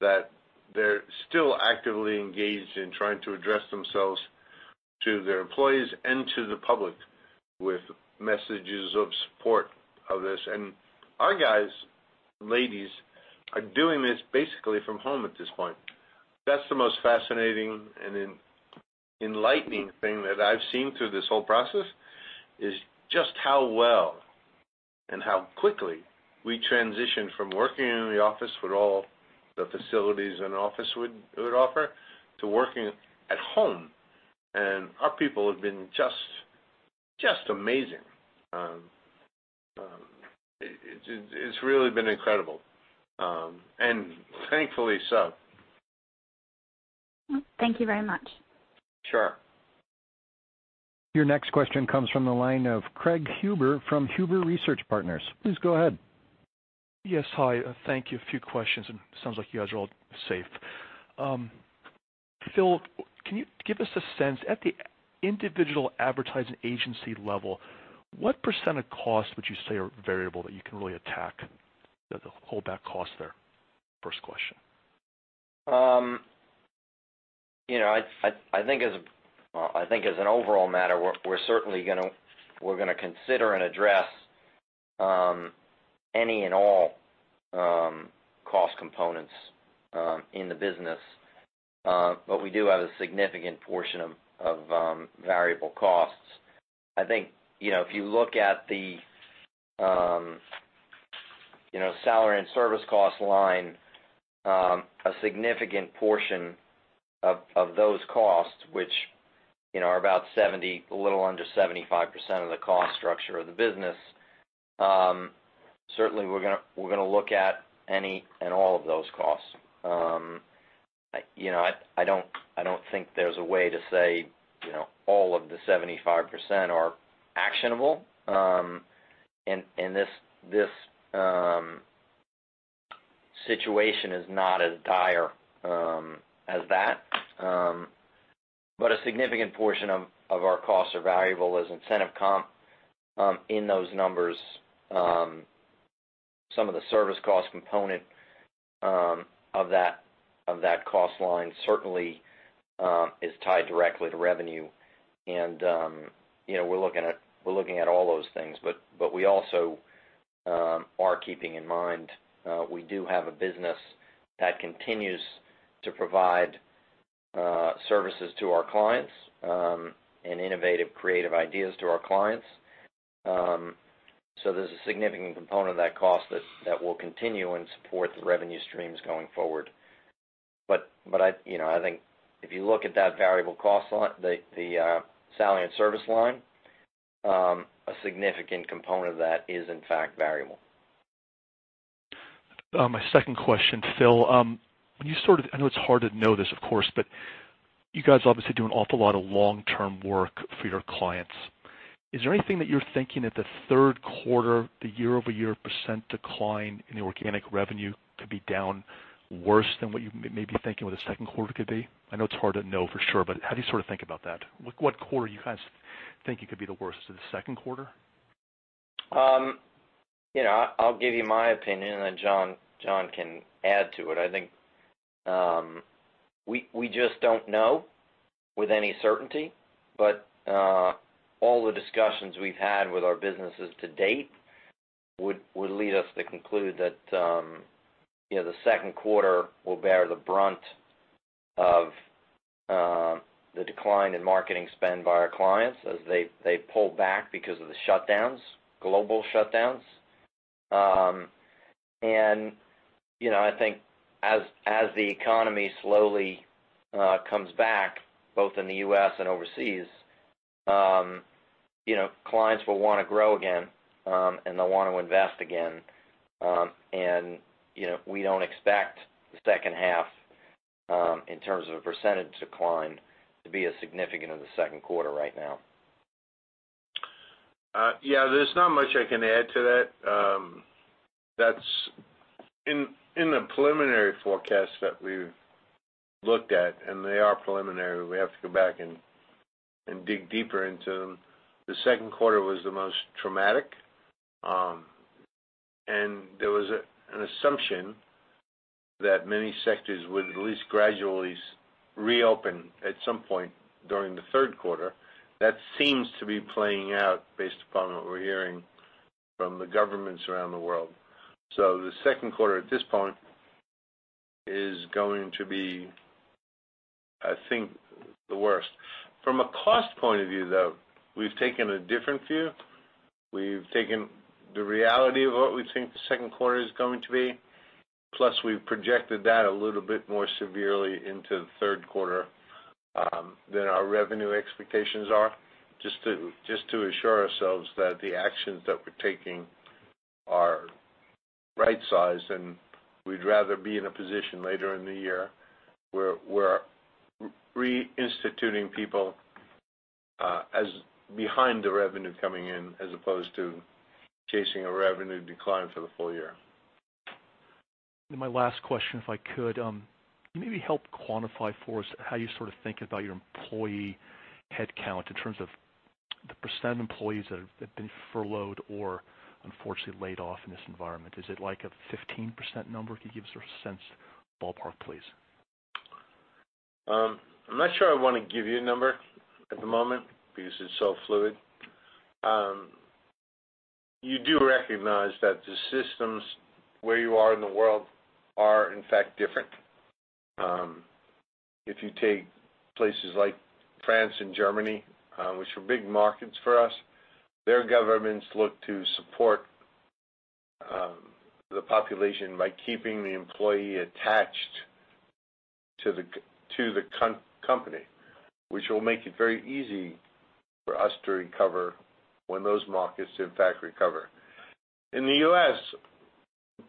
that they're still actively engaged in trying to address themselves to their employees and to the public with messages of support of this. And our guys, ladies, are doing this basically from home at this point. That's the most fascinating and enlightening thing that I've seen through this whole process, is just how well and how quickly we transitioned from working in the office with all the facilities an office would offer to working at home. And our people have been just amazing. It's really been incredible and thankfully so. Thank you very much. Sure. Your next question comes from the line of Craig Huber from Huber Research Partners. Please go ahead. Yes. Hi. Thank you. A few questions, and it sounds like you guys are all safe. Phil, can you give us a sense at the individual advertising agency level, what % of cost would you say are variable that you can really attack to hold back costs there? First question. I think as an overall matter, we're certainly going to consider and address any and all cost components in the business, but we do have a significant portion of variable costs. I think if you look at the salary and service cost line, a significant portion of those costs, which are about a little under 75% of the cost structure of the business, certainly we're going to look at any and all of those costs. I don't think there's a way to say all of the 75% are actionable, and this situation is not as dire as that. But a significant portion of our costs are variable as incentive comp in those numbers. Some of the service cost component of that cost line certainly is tied directly to revenue, and we're looking at all those things, but we also are keeping in mind we do have a business that continues to provide services to our clients and innovative creative ideas to our clients. So there's a significant component of that cost that will continue and support the revenue streams going forward. But I think if you look at that variable cost line, the salary and service line, a significant component of that is, in fact, variable. My second question, Phil, is when you started, I know it's hard to know this, of course, but you guys obviously do an awful lot of long-term work for your clients. Is there anything that you're thinking that the third quarter, the year-over-year % decline in the organic revenue could be down worse than what you may be thinking what the second quarter could be? I know it's hard to know for sure, but how do you sort of think about that? What quarter do you guys think it could be the worst? Is it the second quarter? I'll give you my opinion, and then John can add to it. I think we just don't know with any certainty, but all the discussions we've had with our businesses to date would lead us to conclude that the second quarter will bear the brunt of the decline in marketing spend by our clients as they pull back because of the shutdowns, global shutdowns. And I think as the economy slowly comes back, both in the U.S. and overseas, clients will want to grow again, and they'll want to invest again. And we don't expect the second half, in terms of a percentage decline, to be as significant as the second quarter right now. Yeah. There's not much I can add to that. That's in the preliminary forecast that we've looked at, and they are preliminary. We have to go back and dig deeper into them. The second quarter was the most traumatic, and there was an assumption that many sectors would at least gradually reopen at some point during the third quarter. That seems to be playing out based upon what we're hearing from the governments around the world. So the second quarter at this point is going to be, I think, the worst. From a cost point of view, though, we've taken a different view. We've taken the reality of what we think the second quarter is going to be, plus we've projected that a little bit more severely into the third quarter than our revenue expectations are, just to assure ourselves that the actions that we're taking are right-sized, and we'd rather be in a position later in the year where we're reinstituting people as behind the revenue coming in as opposed to chasing a revenue decline for the full year. My last question, if I could, can you maybe help quantify for us how you sort of think about your employee headcount in terms of the % of employees that have been furloughed or unfortunately laid off in this environment? Is it like a 15% number? Can you give us a sense, ballpark, please? I'm not sure I want to give you a number at the moment because it's so fluid. You do recognize that the systems where you are in the world are, in fact, different. If you take places like France and Germany, which are big markets for us, their governments look to support the population by keeping the employee attached to the company, which will make it very easy for us to recover when those markets, in fact, recover. In the U.S., it's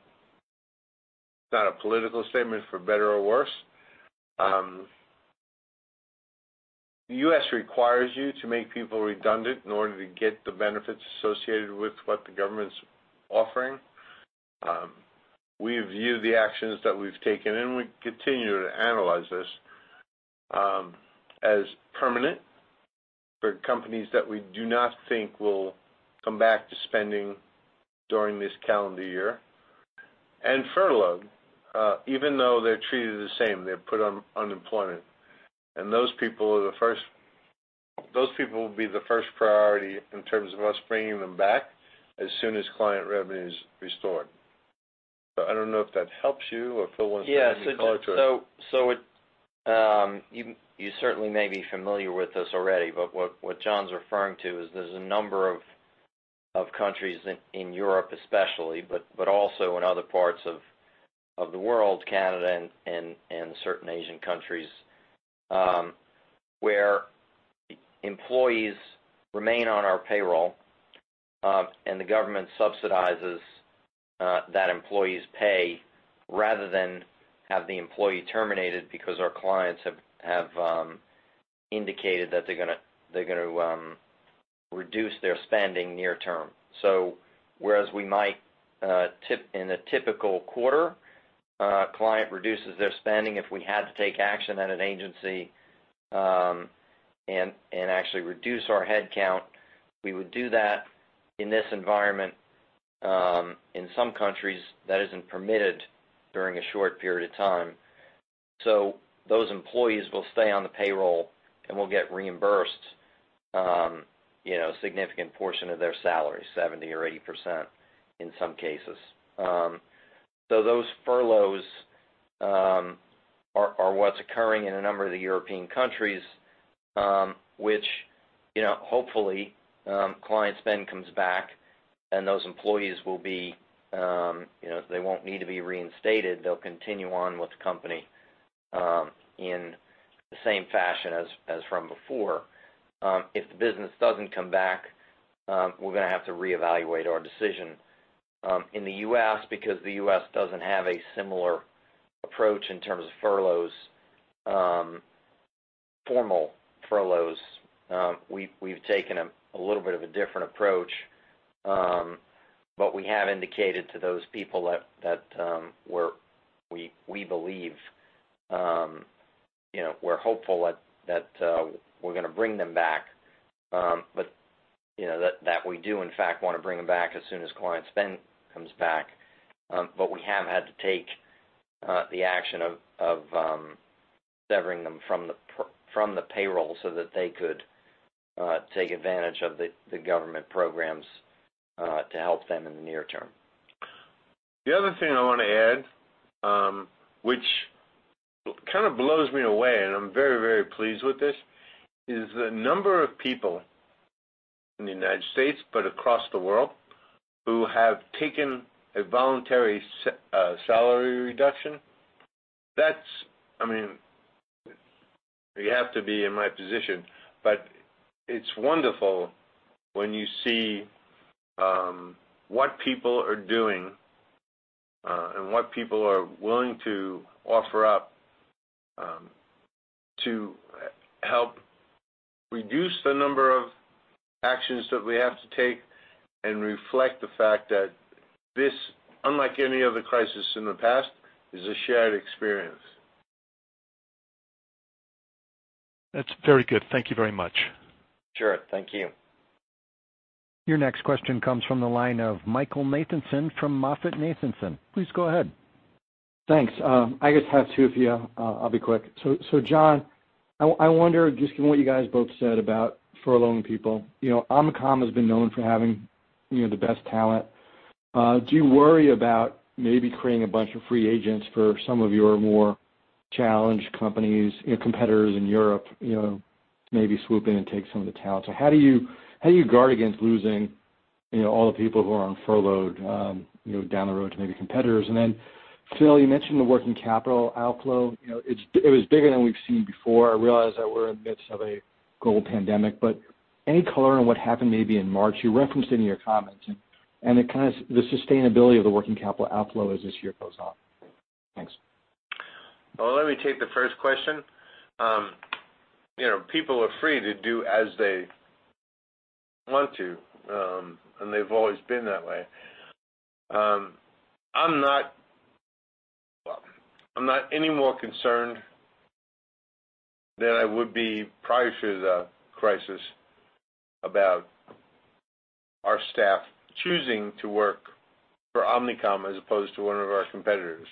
not a political statement for better or worse. The U.S. requires you to make people redundant in order to get the benefits associated with what the government's offering. We view the actions that we've taken, and we continue to analyze this as permanent for companies that we do not think will come back to spending during this calendar year. Furloughed, even though they're treated the same, they're put on unemployment. Those people will be the first priority in terms of us bringing them back as soon as client revenue is restored. So I don't know if that helps you or Phil wants to add anything to it. Yeah. So you certainly may be familiar with this already, but what John's referring to is there's a number of countries in Europe especially, but also in other parts of the world, Canada and certain Asian countries, where employees remain on our payroll, and the government subsidizes that employee's pay rather than have the employee terminated because our clients have indicated that they're going to reduce their spending near term. So, whereas we might, in a typical quarter, a client reduces their spending, if we had to take action at an agency and actually reduce our headcount, we would do that in this environment. In some countries, that isn't permitted during a short period of time. So those employees will stay on the payroll, and we'll get reimbursed a significant portion of their salary, 70% or 80% in some cases. So those furloughs are what's occurring in a number of the European countries, which, hopefully, client spend comes back, and those employees, they won't need to be reinstated. They'll continue on with the company in the same fashion as from before. If the business doesn't come back, we're going to have to reevaluate our decision. In the U.S., because the U.S. doesn't have a similar approach in terms of furloughs, formal furloughs, we've taken a little bit of a different approach, but we have indicated to those people that we believe, we're hopeful that we're going to bring them back, but that we do, in fact, want to bring them back as soon as client spend comes back, but we have had to take the action of severing them from the payroll so that they could take advantage of the government programs to help them in the near term. The other thing I want to add, which kind of blows me away, and I'm very, very pleased with this, is the number of people in the United States but across the world who have taken a voluntary salary reduction. I mean, you have to be in my position, but it's wonderful when you see what people are doing and what people are willing to offer up to help reduce the number of actions that we have to take and reflect the fact that this, unlike any other crisis in the past, is a shared experience. That's very good. Thank you very much. Sure. Thank you. Your next question comes from the line of Michael Nathanson from MoffettNathanson. Please go ahead. Thanks. I just have two for you. I'll be quick. So John, I wonder, just given what you guys both said about furloughing people, Omnicom has been known for having the best talent. Do you worry about maybe creating a bunch of free agents for some of your more challenged companies, your competitors in Europe, maybe swoop in and take some of the talent? So how do you guard against losing all the people who are on furlough down the road to maybe competitors? And then, Phil, you mentioned the working capital outflow. It was bigger than we've seen before. I realize that we're in the midst of a global pandemic, but any color on what happened maybe in March? You referenced it in your comments, and the sustainability of the working capital outflow as this year goes on. Thanks. Well, let me take the first question. People are free to do as they want to, and they've always been that way. I'm not any more concerned than I would be prior to the crisis about our staff choosing to work for Omnicom as opposed to one of our competitors.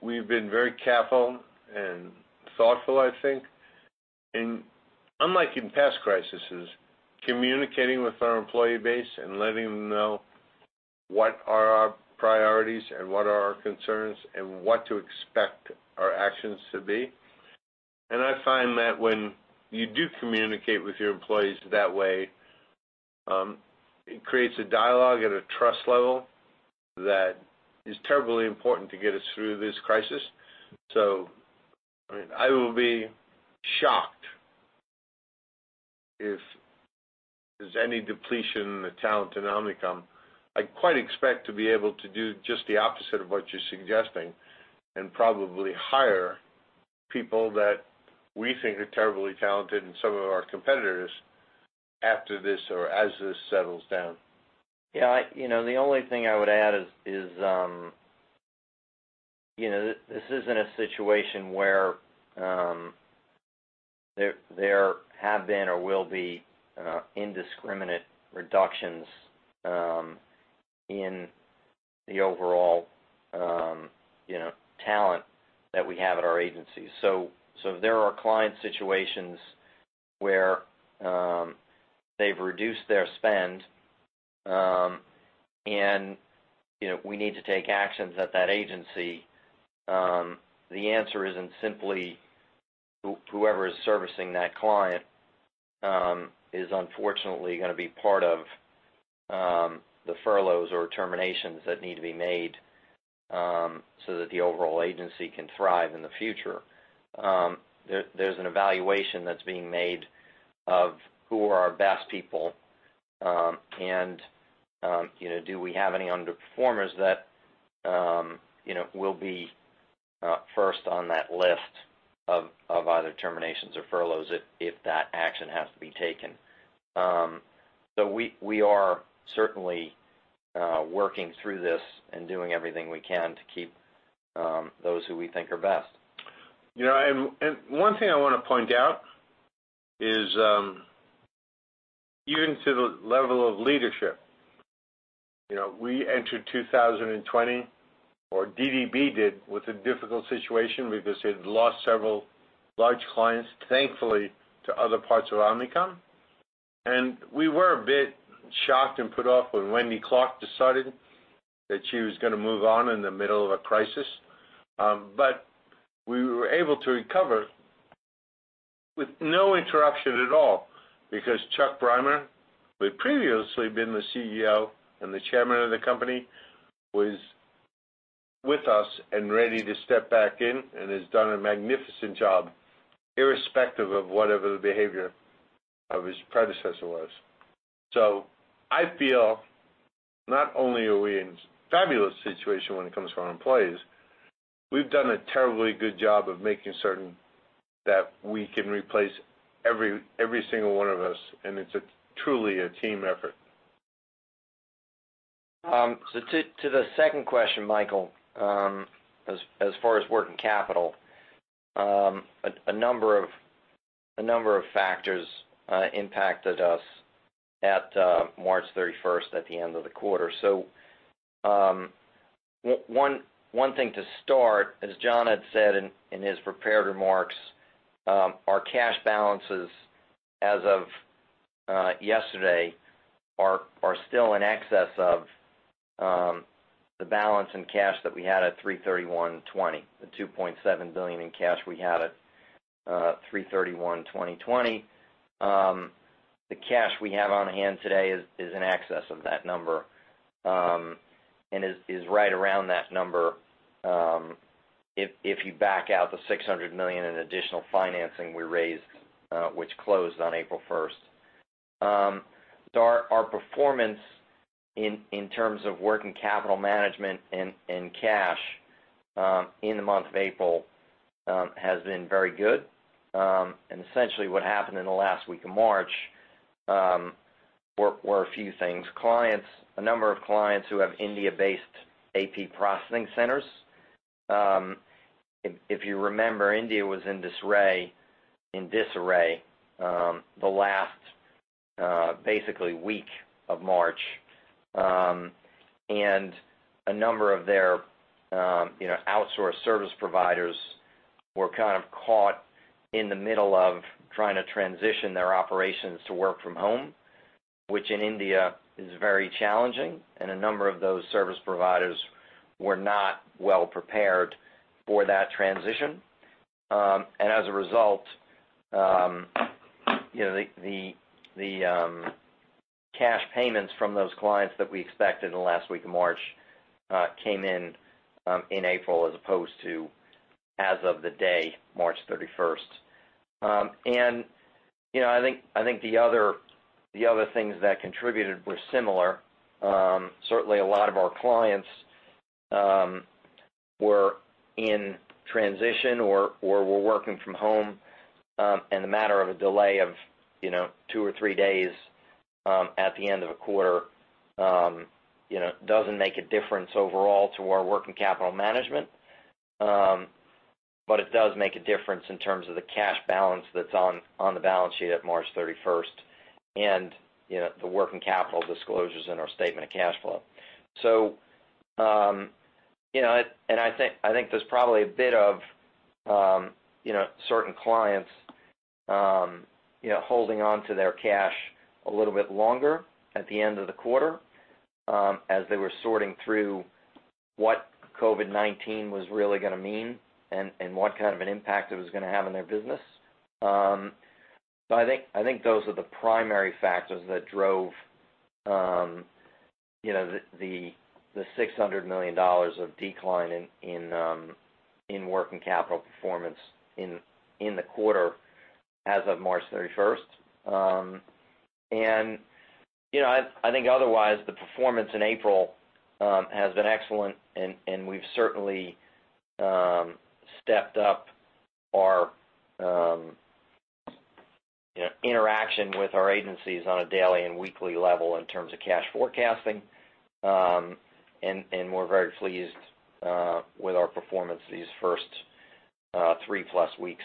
We've been very careful and thoughtful, I think, and unlike in past crises, communicating with our employee base and letting them know what are our priorities and what are our concerns and what to expect our actions to be. I find that when you do communicate with your employees that way, it creates a dialogue at a trust level that is terribly important to get us through this crisis. I mean, I will be shocked if there's any depletion in the talent in Omnicom. I'd quite expect to be able to do just the opposite of what you're suggesting and probably hire people that we think are terribly talented and some of our competitors after this or as this settles down. Yeah. The only thing I would add is this isn't a situation where there have been or will be indiscriminate reductions in the overall talent that we have at our agency. So if there are client situations where they've reduced their spend and we need to take actions at that agency, the answer isn't simply whoever is servicing that client is unfortunately going to be part of the furloughs or terminations that need to be made so that the overall agency can thrive in the future. There's an evaluation that's being made of who are our best people, and do we have any underperformers that will be first on that list of either terminations or furloughs if that action has to be taken. So we are certainly working through this and doing everything we can to keep those who we think are best. And one thing I want to point out is even to the level of leadership. We entered 2020, or DDB did, with a difficult situation because they'd lost several large clients, thankfully, to other parts of Omnicom. And we were a bit shocked and put off when Wendy Clark decided that she was going to move on in the middle of a crisis. But we were able to recover with no interruption at all because Chuck Brymer, who had previously been the CEO and the Chairman of the company, was with us and ready to step back in and has done a magnificent job irrespective of whatever the behavior of his predecessor was. I feel not only are we in a fabulous situation when it comes to our employees. We've done a terribly good job of making certain that we can replace every single one of us, and it's truly a team effort. To the second question, Michael, as far as working capital, a number of factors impacted us at March 31st at the end of the quarter. One thing to start, as John had said in his prepared remarks, our cash balances as of yesterday are still in excess of the balance in cash that we had at 3/31/2020, the $2.7 billion in cash we had at 3/31/2020. The cash we have on hand today is in excess of that number and is right around that number if you back out the $600 million in additional financing we raised, which closed on April 1st. Our performance in terms of working capital management and cash in the month of April has been very good. And essentially, what happened in the last week of March were a few things. A number of clients who have India-based AP processing centers. If you remember, India was in disarray the last, basically, week of March, and a number of their outsourced service providers were kind of caught in the middle of trying to transition their operations to work from home, which in India is very challenging, and a number of those service providers were not well prepared for that transition. And as a result, the cash payments from those clients that we expected in the last week of March came in in April as opposed to as of the day, March 31st. And I think the other things that contributed were similar. Certainly, a lot of our clients were in transition or were working from home, and the matter of a delay of two or three days at the end of a quarter doesn't make a difference overall to our working capital management, but it does make a difference in terms of the cash balance that's on the balance sheet at March 31st and the working capital disclosures in our statement of cash flow. So I think there's probably a bit of certain clients holding on to their cash a little bit longer at the end of the quarter as they were sorting through what COVID-19 was really going to mean and what kind of an impact it was going to have on their business. So I think those are the primary factors that drove the $600 million of decline in working capital performance in the quarter as of March 31st. And I think otherwise, the performance in April has been excellent, and we've certainly stepped up our interaction with our agencies on a daily and weekly level in terms of cash forecasting, and we're very pleased with our performance these first three-plus weeks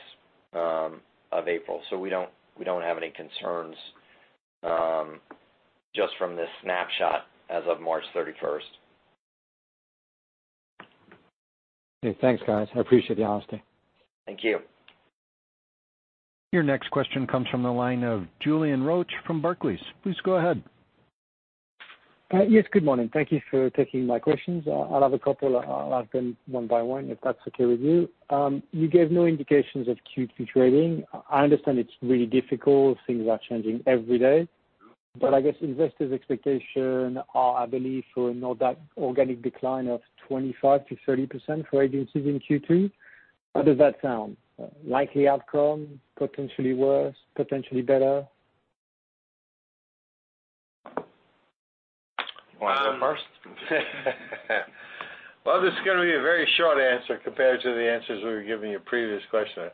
of April. So we don't have any concerns just from this snapshot as of March 31st. Okay. Thanks, guys. I appreciate the honesty. Thank you. Your next question comes from the line of Julien Roch from Barclays. Please go ahead. Yes. Good morning. Thank you for taking my questions. I'll have a couple. I'll ask them one by one if that's okay with you. You gave no indications of Q2 trading. I understand it's really difficult. Things are changing every day. But I guess investors' expectations are, I believe, for an organic decline of 25%-30% for agencies in Q2. How does that sound? Likely outcome? Potentially worse? Potentially better? You want to go first? Well, this is going to be a very short answer compared to the answers we were given in your previous question.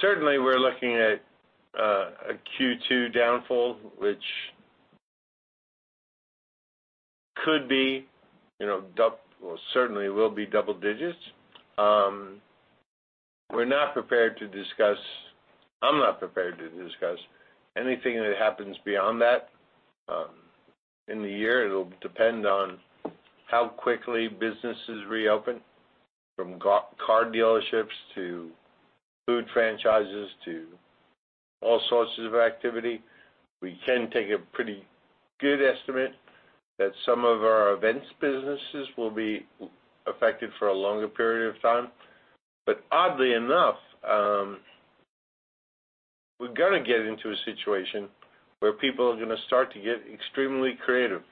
Certainly, we're looking at a Q2 downfall, which could be or certainly will be double digits. We're not prepared to discuss. I'm not prepared to discuss anything that happens beyond that in the year. It'll depend on how quickly businesses reopen, from car dealerships to food franchises to all sorts of activity. We can take a pretty good estimate that some of our events businesses will be affected for a longer period of time. But oddly enough, we're going to get into a situation where people are going to start to get extremely creative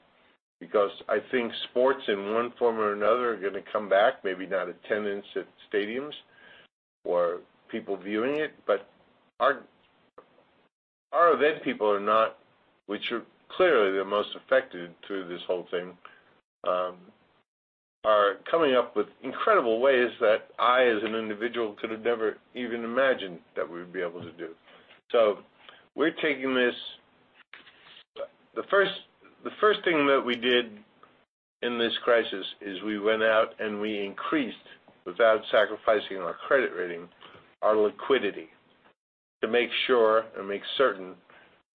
because I think sports in one form or another are going to come back, maybe not attendance at stadiums or people viewing it. But our event people are not, which are clearly the most affected through this whole thing, are coming up with incredible ways that I, as an individual, could have never even imagined that we would be able to do. So we're taking this, the first thing that we did in this crisis is we went out and we increased, without sacrificing our credit rating, our liquidity to make sure and make certain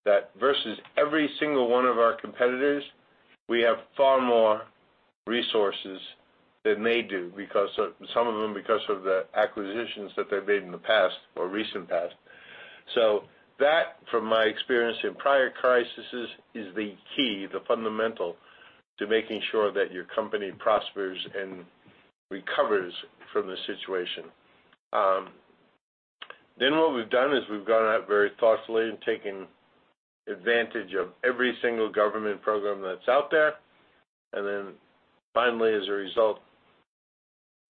that versus every single one of our competitors, we have far more resources than they do, some of them because of the acquisitions that they've made in the past or recent past. So that, from my experience in prior crises, is the key, the fundamental to making sure that your company prospers and recovers from the situation. Then what we've done is we've gone out very thoughtfully and taken advantage of every single government program that's out there. Then finally, as a result,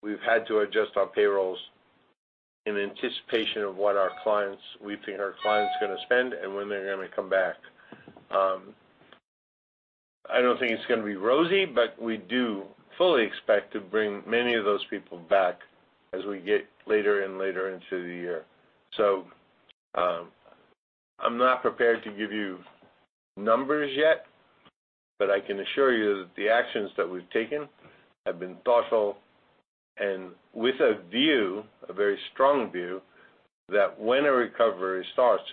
we've had to adjust our payrolls in anticipation of what our clients, we think our clients are going to spend and when they're going to come back. I don't think it's going to be rosy, but we do fully expect to bring many of those people back as we get later and later into the year. So I'm not prepared to give you numbers yet, but I can assure you that the actions that we've taken have been thoughtful and with a view, a very strong view, that when a recovery starts,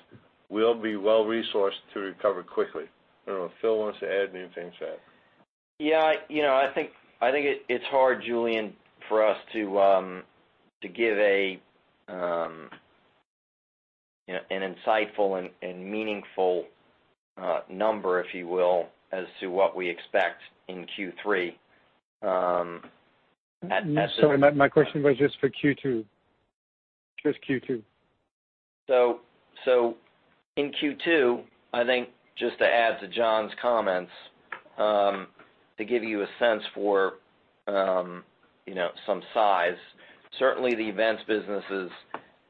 we'll be well-resourced to recover quickly. I don't know if Phil wants to add anything to that. Yeah. I think it's hard, Julien, for us to give an insightful and meaningful number, if you will, as to what we expect in Q3. Sorry. My question was just for Q2. Just Q2. In Q2, I think just to add to John's comments to give you a sense for some size, certainly the events businesses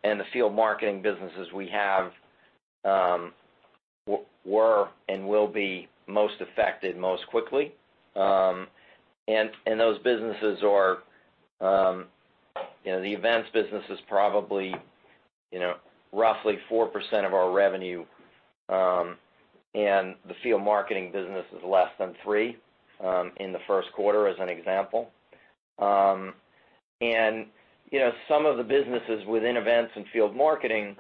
and the field marketing businesses we have were and will be most affected most quickly. Those businesses are the events business is probably roughly 4% of our revenue, and the field marketing business is less than 3% in the first quarter, as an example. Some of the businesses within events and field marketing,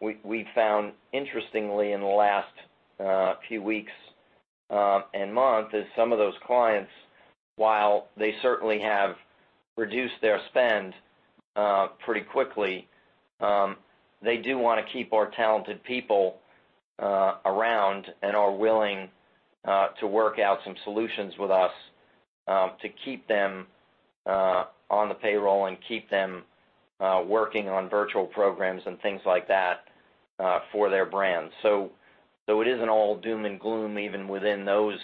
we found interestingly in the last few weeks and months is some of those clients, while they certainly have reduced their spend pretty quickly, they do want to keep our talented people around and are willing to work out some solutions with us to keep them on the payroll and keep them working on virtual programs and things like that for their brand. So it isn't all doom and gloom even within those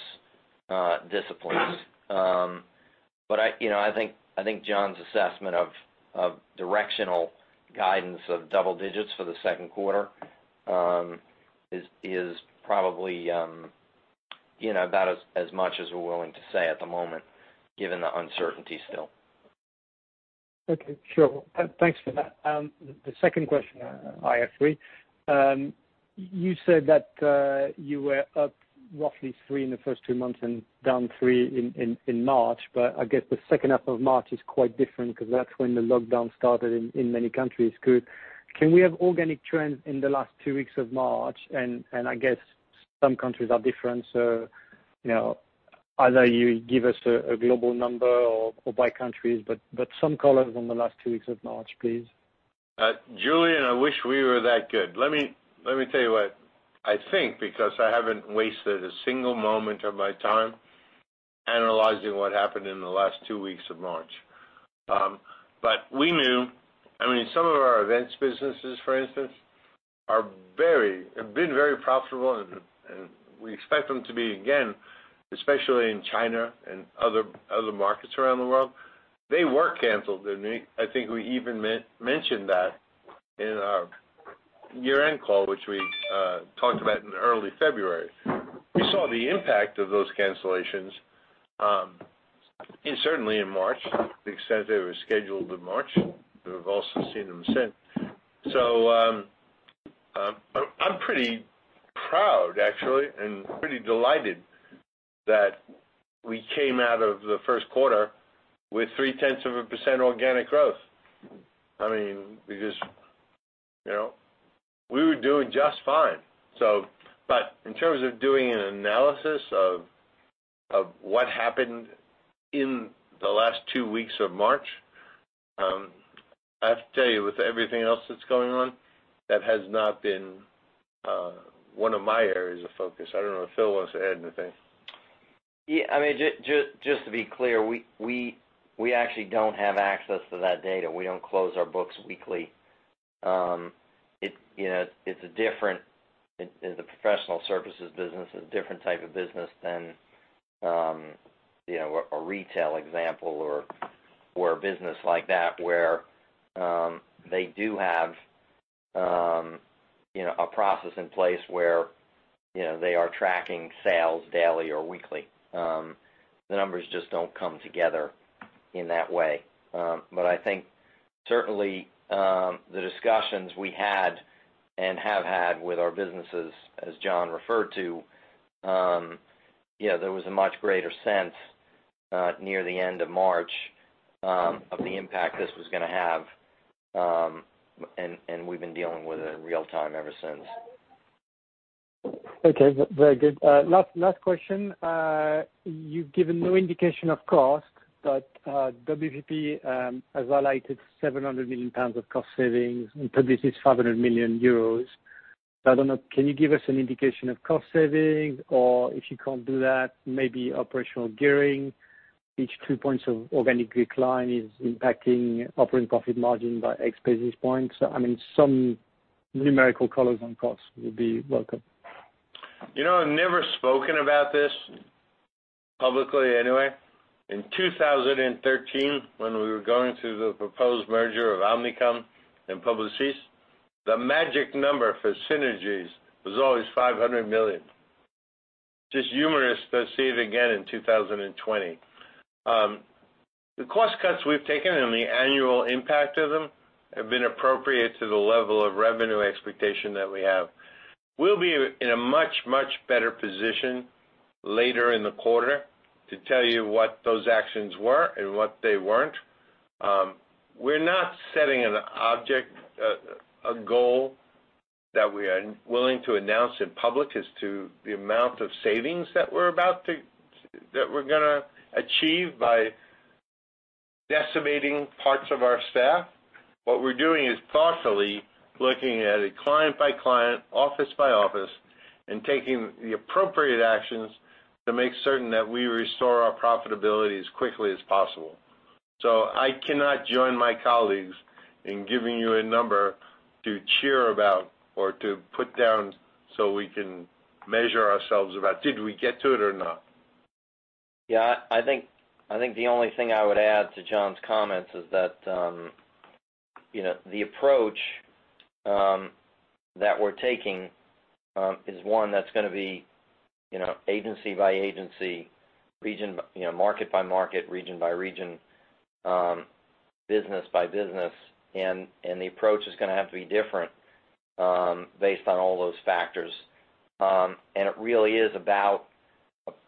disciplines. But I think John's assessment of directional guidance of double digits for the second quarter is probably about as much as we're willing to say at the moment, given the uncertainty still. Okay. Sure. Thanks for that. The second question, I asked for you. You said that you were up roughly 3% in the first two months and down 3% in March, but I guess the second half of March is quite different because that's when the lockdown started in many countries. Can we have organic trends in the last two weeks of March? And I guess some countries are different. So either you give us a global number or by countries, but some colors on the last two weeks of March, please. Julien, I wish we were that good. Let me tell you what I think because I haven't wasted a single moment of my time analyzing what happened in the last two weeks of March. But we knew, I mean, some of our events businesses, for instance, have been very profitable, and we expect them to be again, especially in China and other markets around the world. They were canceled. I think we even mentioned that in our year-end call, which we talked about in early February. We saw the impact of those cancellations, certainly in March, the extent they were scheduled in March. We've also seen them since. So I'm pretty proud, actually, and pretty delighted that we came out of the first quarter with 0.3% organic growth. I mean, because we were doing just fine. But in terms of doing an analysis of what happened in the last two weeks of March, I have to tell you, with everything else that's going on, that has not been one of my areas of focus. I don't know if Phil wants to add anything. Yeah. I mean, just to be clear, we actually don't have access to that data. We don't close our books weekly. It's a different, the professional services business is a different type of business than a retail example or a business like that where they do have a process in place where they are tracking sales daily or weekly. The numbers just don't come together in that way. But I think certainly the discussions we had and have had with our businesses, as John referred to, there was a much greater sense near the end of March of the impact this was going to have, and we've been dealing with it in real time ever since. Okay. Very good. Last question. You've given no indication of cost, but WPP has allocated 700 million pounds of cost savings and published 500 million euros. So I don't know. Can you give us an indication of cost savings? Or if you can't do that, maybe operational gearing, which two points of organic decline is impacting operating profit margin by X basis points? I mean, some numerical colors on cost would be welcome. I've never spoken about this publicly anyway. In 2013, when we were going through the proposed merger of Omnicom and Publicis, the magic number for synergies was always 500 million. Just humorous to see it again in 2020. The cost cuts we've taken and the annual impact of them have been appropriate to the level of revenue expectation that we have. We'll be in a much, much better position later in the quarter to tell you what those actions were and what they weren't. We're not setting an objective, a goal that we are willing to announce in public as to the amount of savings that we're about to—that we're going to achieve by decimating parts of our staff. What we're doing is thoughtfully looking at it client by client, office by office, and taking the appropriate actions to make certain that we restore our profitability as quickly as possible. So I cannot join my colleagues in giving you a number to cheer about or to put down so we can measure ourselves about, "Did we get to it or not?" Yeah. I think the only thing I would add to John's comments is that the approach that we're taking is one that's going to be agency by agency, market by market, region by region, business by business. And the approach is going to have to be different based on all those factors. And it really is about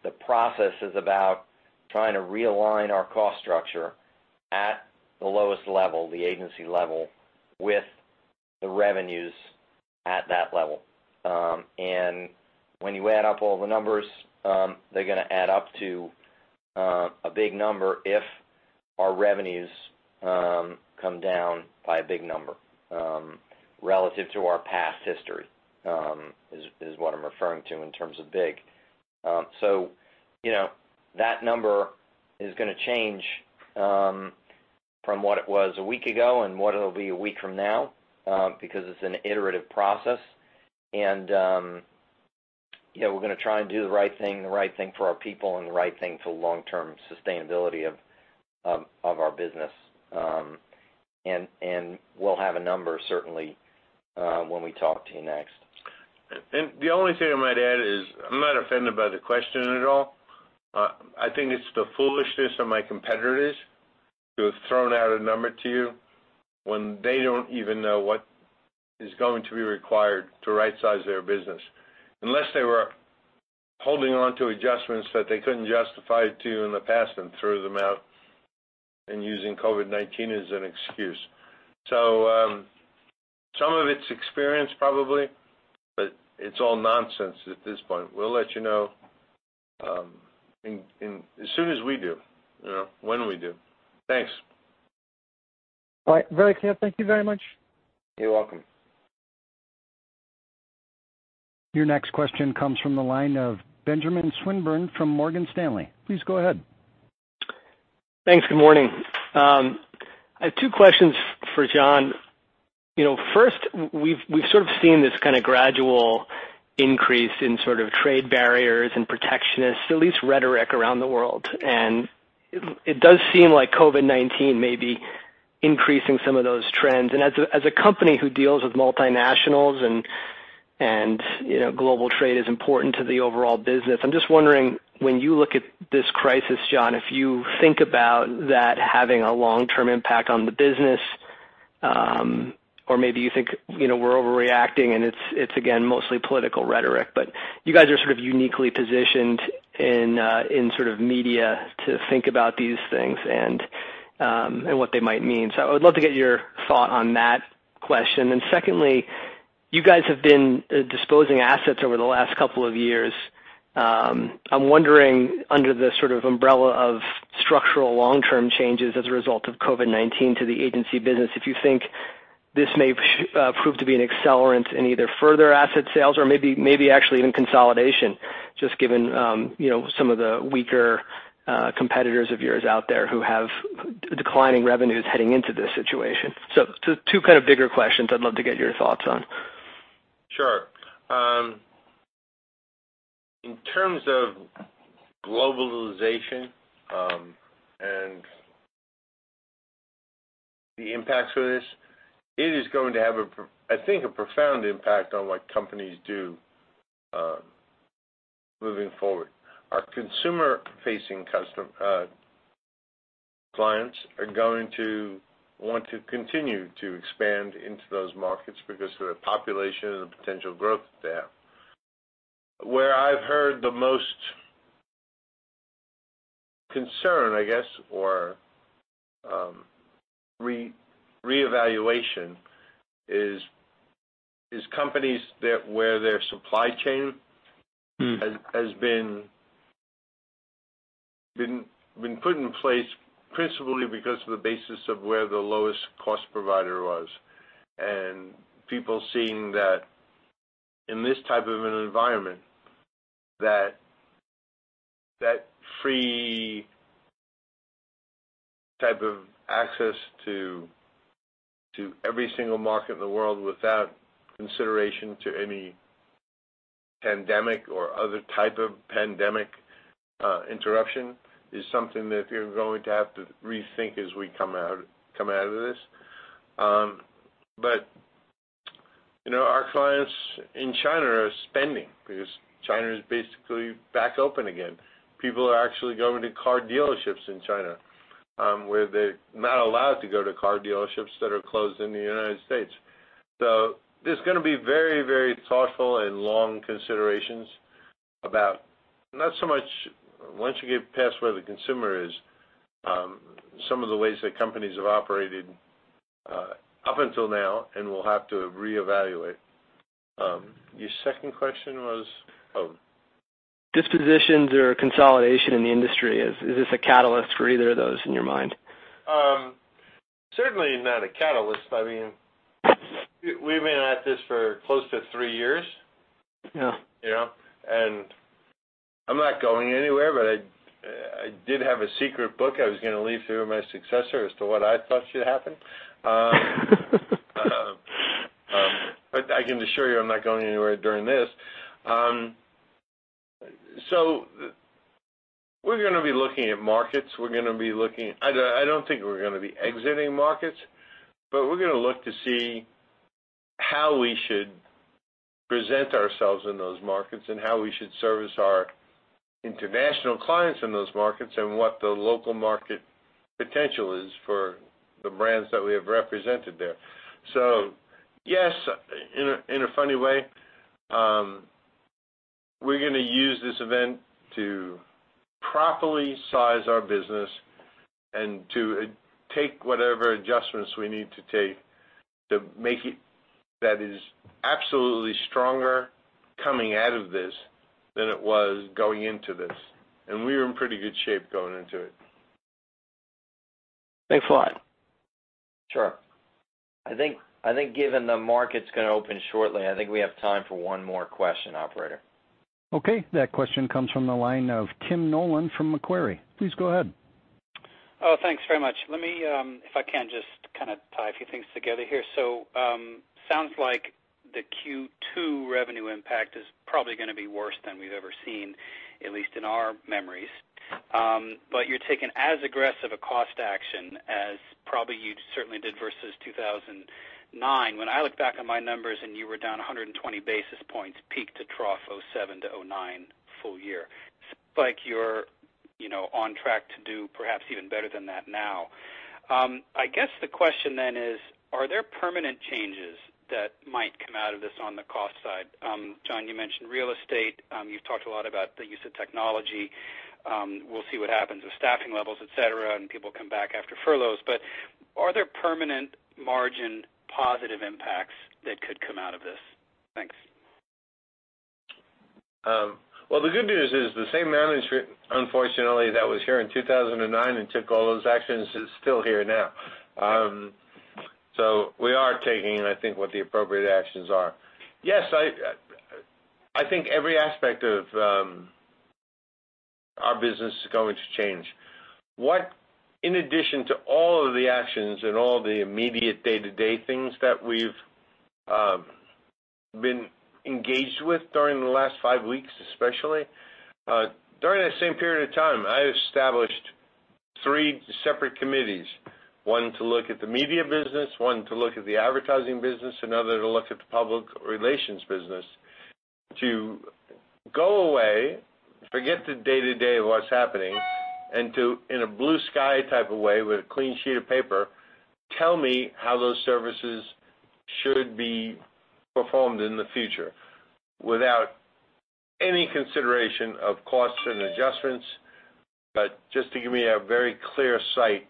the process, about trying to realign our cost structure at the lowest level, the agency level, with the revenues at that level. And when you add up all the numbers, they're going to add up to a big number if our revenues come down by a big number relative to our past history is what I'm referring to in terms of big. So that number is going to change from what it was a week ago and what it'll be a week from now because it's an iterative process. And we're going to try and do the right thing, the right thing for our people, and the right thing for long-term sustainability of our business. And we'll have a number certainly when we talk to you next. And the only thing I might add is I'm not offended by the question at all. I think it's the foolishness of my competitors to have thrown out a number to you when they don't even know what is going to be required to right-size their business, unless they were holding on to adjustments that they couldn't justify to you in the past and threw them out and using COVID-19 as an excuse. So some of it's experience probably, but it's all nonsense at this point. We'll let you know as soon as we do, when we do. Thanks. All right. Very clear. Thank you very much. You're welcome. Your next question comes from the line of Benjamin Swinburne from Morgan Stanley. Please go ahead. Thanks. Good morning. I have two questions for John. First, we've sort of seen this kind of gradual increase in sort of trade barriers and protectionist, at least rhetoric, around the world. It does seem like COVID-19 may be increasing some of those trends. As a company who deals with multinationals and global trade is important to the overall business, I'm just wondering, when you look at this crisis, John, if you think about that having a long-term impact on the business, or maybe you think we're overreacting and it's, again, mostly political rhetoric, but you guys are sort of uniquely positioned in sort of media to think about these things and what they might mean. I would love to get your thought on that question. Secondly, you guys have been disposing assets over the last couple of years. I'm wondering, under the sort of umbrella of structural long-term changes as a result of COVID-19 to the agency business, if you think this may prove to be an accelerant in either further asset sales or maybe actually even consolidation, just given some of the weaker competitors of yours out there who have declining revenues heading into this situation? So two kind of bigger questions I'd love to get your thoughts on. Sure. In terms of globalization and the impacts of this, it is going to have, I think, a profound impact on what companies do moving forward. Our consumer-facing clients are going to want to continue to expand into those markets because of the population and the potential growth that they have. Where I've heard the most concern, I guess, or reevaluation is companies where their supply chain has been put in place principally because of the basis of where the lowest cost provider was. And people seeing that in this type of an environment, that free type of access to every single market in the world without consideration to any pandemic or other type of pandemic interruption is something that you're going to have to rethink as we come out of this. But our clients in China are spending because China is basically back open again. People are actually going to car dealerships in China where they're not allowed to go to car dealerships that are closed in the United States. So there's going to be very, very thoughtful and long considerations about not so much once you get past where the consumer is, some of the ways that companies have operated up until now and will have to reevaluate. Your second question was. Oh. Dispositions or consolidation in the industry? Is this a catalyst for either of those in your mind? Certainly not a catalyst. I mean, we've been at this for close to three years, and I'm not going anywhere, but I did have a secret book I was going to leave to my successor as to what I thought should happen, but I can assure you I'm not going anywhere during this, so we're going to be looking at markets. We're going to be looking at. I don't think we're going to be exiting markets, but we're going to look to see how we should present ourselves in those markets and how we should service our international clients in those markets and what the local market potential is for the brands that we have represented there. So yes, in a funny way, we're going to use this event to properly size our business and to take whatever adjustments we need to take to make it that is absolutely stronger coming out of this than it was going into this. And we were in pretty good shape going into it. Thanks a lot. Sure. I think given the market's going to open shortly, I think we have time for one more question, operator. Okay. That question comes from the line of Tim Nollen from Macquarie. Please go ahead. Oh, thanks very much. Let me, if I can, just kind of tie a few things together here. So sounds like the Q2 revenue impact is probably going to be worse than we've ever seen, at least in our memories. But you're taking as aggressive a cost action as probably you certainly did versus 2009. When I look back on my numbers, and you were down 120 basis points, peaked at trough 2007-2009 full year. Looks like you're on track to do perhaps even better than that now. I guess the question then is, are there permanent changes that might come out of this on the cost side? John, you mentioned real estate. You've talked a lot about the use of technology. We'll see what happens with staffing levels, etc., and people come back after furloughs. But are there permanent margin positive impacts that could come out of this? Thanks. The good news is the same management, unfortunately, that was here in 2009 and took all those actions is still here now. We are taking, I think, what the appropriate actions are. Yes, I think every aspect of our business is going to change. In addition to all of the actions and all the immediate day-to-day things that we've been engaged with during the last five weeks, especially, during the same period of time, I established three separate committees: one to look at the media business, one to look at the advertising business, another to look at the public relations business, to go away, forget the day-to-day of what's happening, and to, in a blue sky type of way with a clean sheet of paper, tell me how those services should be performed in the future without any consideration of costs and adjustments, but just to give me a very clear sight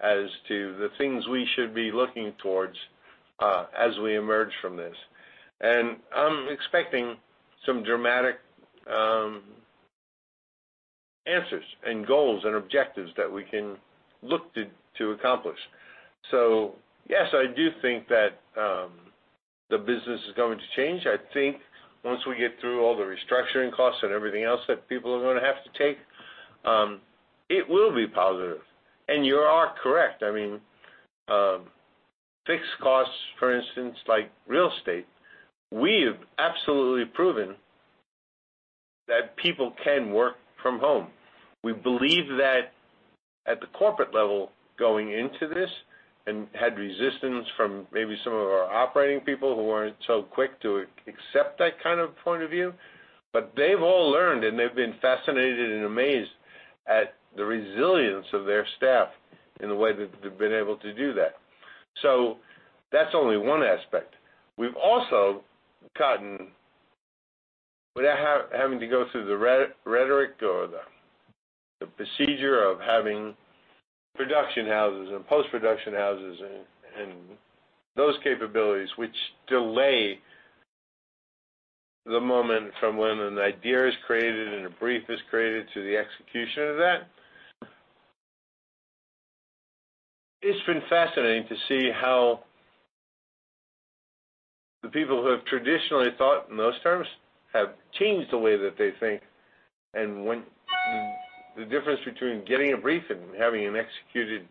as to the things we should be looking towards as we emerge from this, and I'm expecting some dramatic answers and goals and objectives that we can look to accomplish, so yes, I do think that the business is going to change. I think once we get through all the restructuring costs and everything else that people are going to have to take, it will be positive, and you are correct. I mean, fixed costs, for instance, like real estate, we have absolutely proven that people can work from home. We believe that at the corporate level going into this and had resistance from maybe some of our operating people who weren't so quick to accept that kind of point of view, but they've all learned, and they've been fascinated and amazed at the resilience of their staff in the way that they've been able to do that, so that's only one aspect. We've also gotten without having to go through the rhetoric or the procedure of having production houses and post-production houses and those capabilities, which delay the moment from when an idea is created and a brief is created to the execution of that. It's been fascinating to see how the people who have traditionally thought in those terms have changed the way that they think, and the difference between getting a brief and having an executed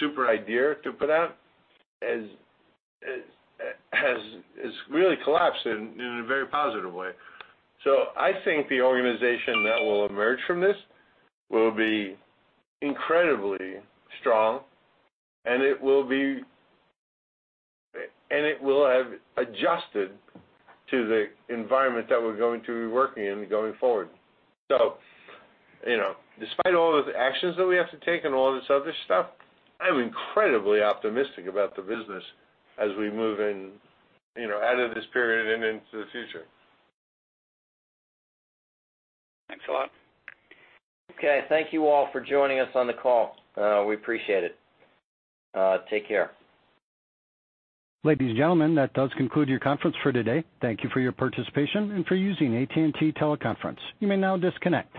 super idea to put out has really collapsed in a very positive way, so I think the organization that will emerge from this will be incredibly strong, and it will have adjusted to the environment that we're going to be working in going forward. So despite all the actions that we have to take and all this other stuff, I'm incredibly optimistic about the business as we move out of this period and into the future. Thanks a lot. Okay. Thank you all for joining us on the call. We appreciate it. Take care. Ladies and gentlemen, that does conclude your conference for today. Thank you for your participation and for using AT&T Teleconference. You may now disconnect.